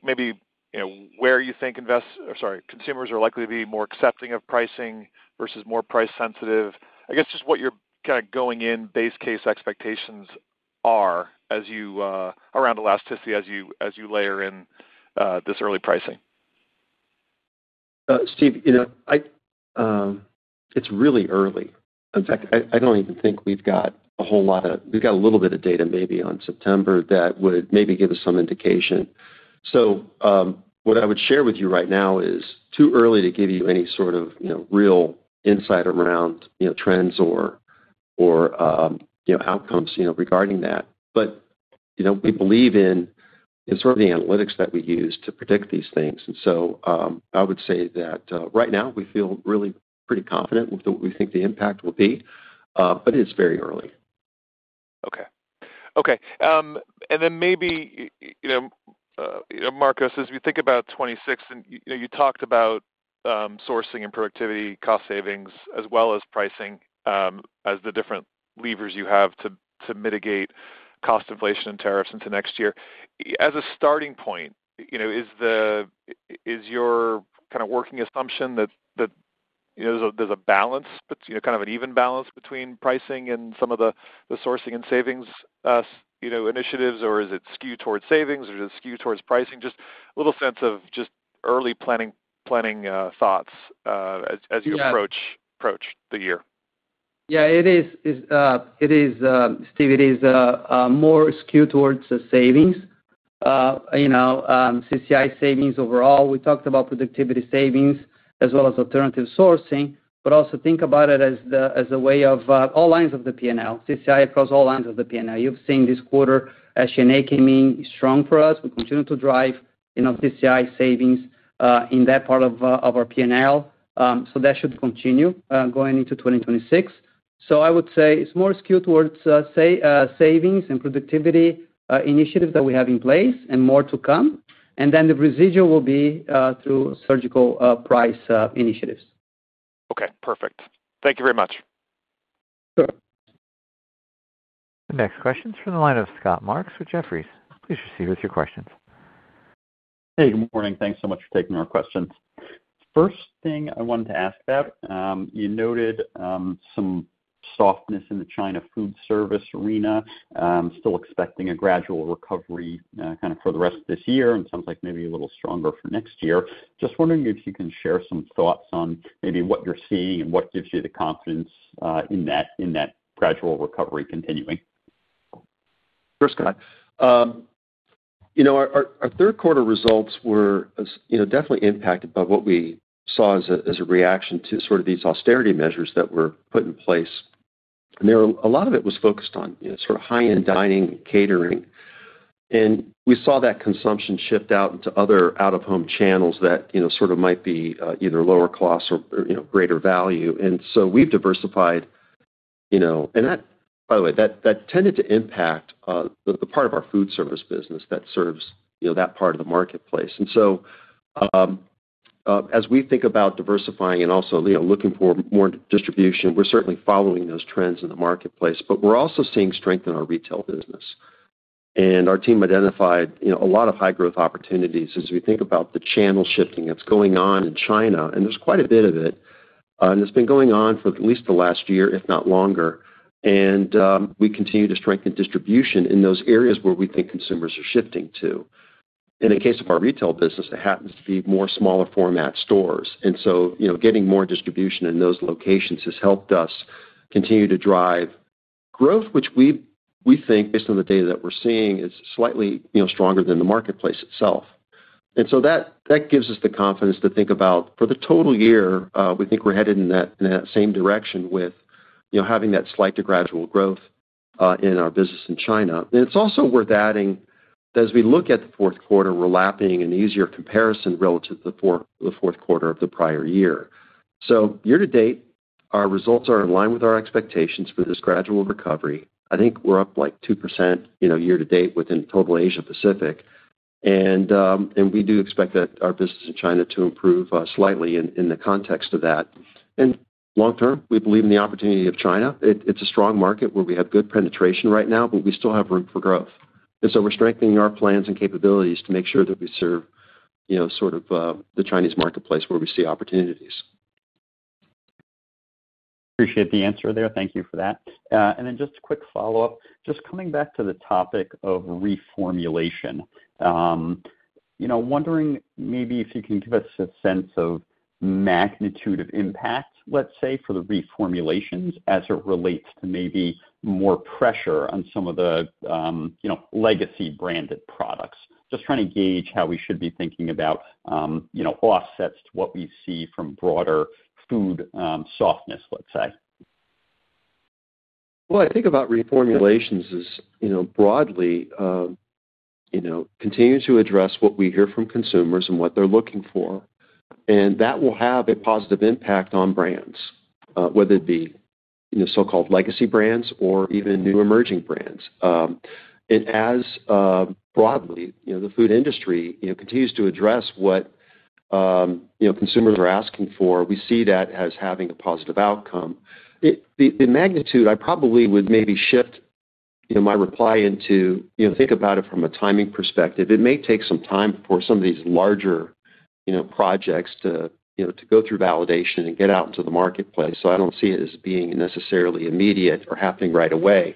think consumers are likely to be more accepting of pricing versus more price sensitive. I guess just what your kind of going in base case expectations are around elasticity as you layer in this early pricing. Steve, it's really early. In fact, I don't even think we've got a whole lot of, we've got a little bit of data maybe on September that would maybe give us some indication. What I would share with you right now is it's too early to give you any sort of real insight around trends or outcomes regarding that. We believe in the analytics that we use to predict these things. I would say that right now we feel really pretty confident with what we think the impact will be, but it is very early. Okay. Maybe, you know, Marcos, as we think about 2026, and you talked about sourcing and productivity, cost savings, as well as pricing as the different levers you have to mitigate cost inflation and tariffs into next year. As a starting point, is your kind of working assumption that there's a balance, kind of an even balance between pricing and some of the sourcing and savings initiatives, or is it skewed towards savings, or is it skewed towards pricing? Just a little sense of early planning thoughts as you approach the year. Yeah, it is. It is, Steve. It is more skewed towards savings. You know, CCI savings overall. We talked about productivity savings as well as alternative sourcing, but also think about it as a way of all lines of the P&L, CCI across all lines of the P&L. You've seen this quarter as [Shanay] came in, it's strong for us. We continue to drive, you know, CCI savings in that part of our P&L. That should continue going into 2026. I would say It's more skewed towards savings and productivity initiatives that we have in place, with more to come. The residual will be through surgical price initiatives. OK, perfect. Thank you very much. Sure. The next question is from the line of Scott Marks with Jefferies. Please proceed with your questions. Hey, good morning. Thanks so much for taking our questions. First thing I wanted to ask about, you noted some softness in the China food service arena, still expecting a gradual recovery for the rest of this year. It sounds like maybe a little stronger for next year. Just wondering if you can share some thoughts on what you're seeing and what gives you the confidence in that gradual recovery continuing. First, our third quarter results were definitely impacted by what we saw as a reaction to these austerity measures that were put in place. A lot of it was focused on high-end dining and catering. We saw that consumption shift out into other out-of-home channels that might be either lower cost or greater value. We have diversified. That tended to impact the part of our food service business that serves that part of the marketplace. As we think about diversifying and also looking for more distribution, we're certainly following those trends in the marketplace. We're also seeing strength in our retail business. Our team identified a lot of high-growth opportunities as we think about the channel shifting that's going on in China. There's quite a bit of it, and it's been going on for at least the last year, if not longer. We continue to strengthen distribution in those areas where we think consumers are shifting to. In the case of our retail business, it happens to be more smaller format stores. Getting more distribution in those locations has helped us continue to drive growth, which we think, based on the data that we're seeing, is slightly stronger than the marketplace itself. That gives us the confidence to think about, for the total year, we think we're headed in that same direction with having that slight to gradual growth in our business in China. It's also worth adding that as we look at the fourth quarter, we're lapping an easier comparison relative to the fourth quarter of the prior year. Year to date, our results are in line with our expectations for this gradual recovery. I think we're up like 2% year to date within total Asia-Pacific. We do expect our business in China to improve slightly in the context of that. Long term, we believe in the opportunity of China. It's a strong market where we have good penetration right now, but we still have room for growth. We're strengthening our plans and capabilities to make sure that we serve the Chinese marketplace where we see opportunities. Appreciate the answer there. Thank you for that. Just a quick follow-up, coming back to the topic of reformulation, wondering maybe if you can give us a sense of magnitude of impact, let's say, for the reformulations as it relates to maybe more pressure on some of the legacy branded products. Just trying to gauge how we should be thinking about offsets to what we see from broader food softness, let's say. I think about reformulations as broadly continuing to address what we hear from Consumers and what they're looking for. That will have a positive impact on brands, whether it be so-called legacy brands or even new emerging brands. As broadly the food industry continues to address what Consumers are asking for, we see that as having a positive outcome. The magnitude, I probably would maybe shift my reply into think about it from a timing perspective. It may take some time for some of these larger projects to go through validation and get out into the marketplace. I don't see it as being necessarily immediate or happening right away.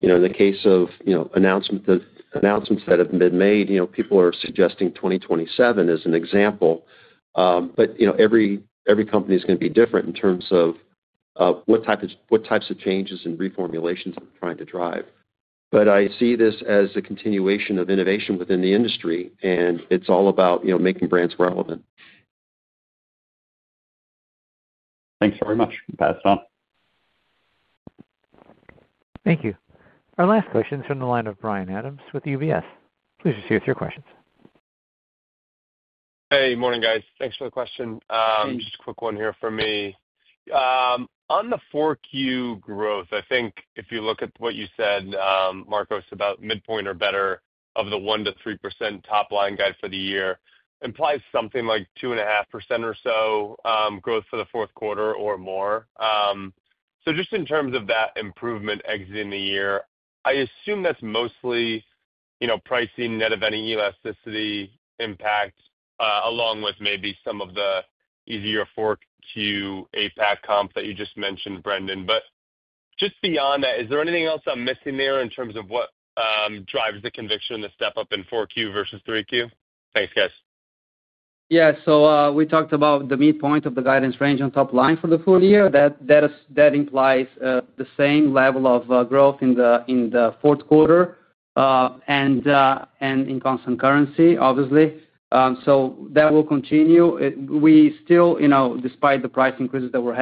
In the case of announcements that have been made, people are suggesting 2027 as an example. Every company is going to be different in terms of what types of changes and reformulations we're trying to drive. I see this as a continuation of innovation within the industry. It's all about making brands relevant. Thanks very much. We will pass it on. Thank you. Our last question is from the line of Bryan Adams with UBS. Please proceed with your questions. Hey, morning, guys. Thanks for the question. Just a quick one here for me. On the 4Q growth, I think if you look at what you said, Marcos, about midpoint or better of the 1%-3% top line guide for the year, it implies something like 2.5% or so growth for the fourth quarter or more. Just in terms of that improvement exiting the year, I assume that's mostly pricing net of any elasticity impact, along with maybe some of the easier 4Q Asia-Pacific comp that you just mentioned, Brendan. Beyond that, is there anything else I'm missing there in terms of what drives the conviction to step up in 4Q versus 3Q? Thanks, guys. Yeah, we talked about the midpoint of the guidance range on top line for the full year. That implies the same level of growth in the fourth quarter in constant currency, obviously. That will continue. We still, despite the price increases that we've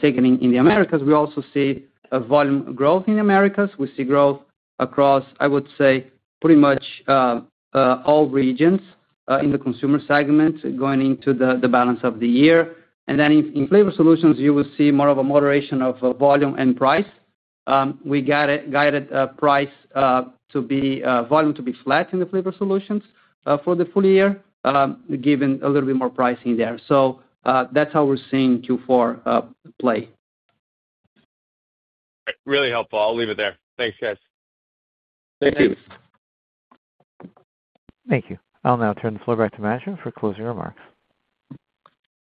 taken in the Americas, also see volume growth in the Americas. We see growth across, I would say, pretty much all regions in the Consumer segment going into the balance of the year. In Flavor Solutions, you will see more of a moderation of volume and price. We guided price to be, volume to be flat in Flavor Solutions for the full year, given a little bit more pricing there. That's how we're seeing Q4 play. Really helpful. I'll leave it there. Thanks, guys. Thank you. Thank you. I'll now turn the floor back to Faten for closing remarks.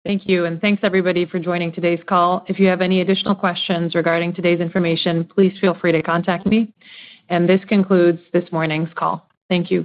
Thank you. Thanks, everybody, for joining today's call. If you have any additional questions regarding today's information, please feel free to contact me. This concludes this morning's call. Thank you.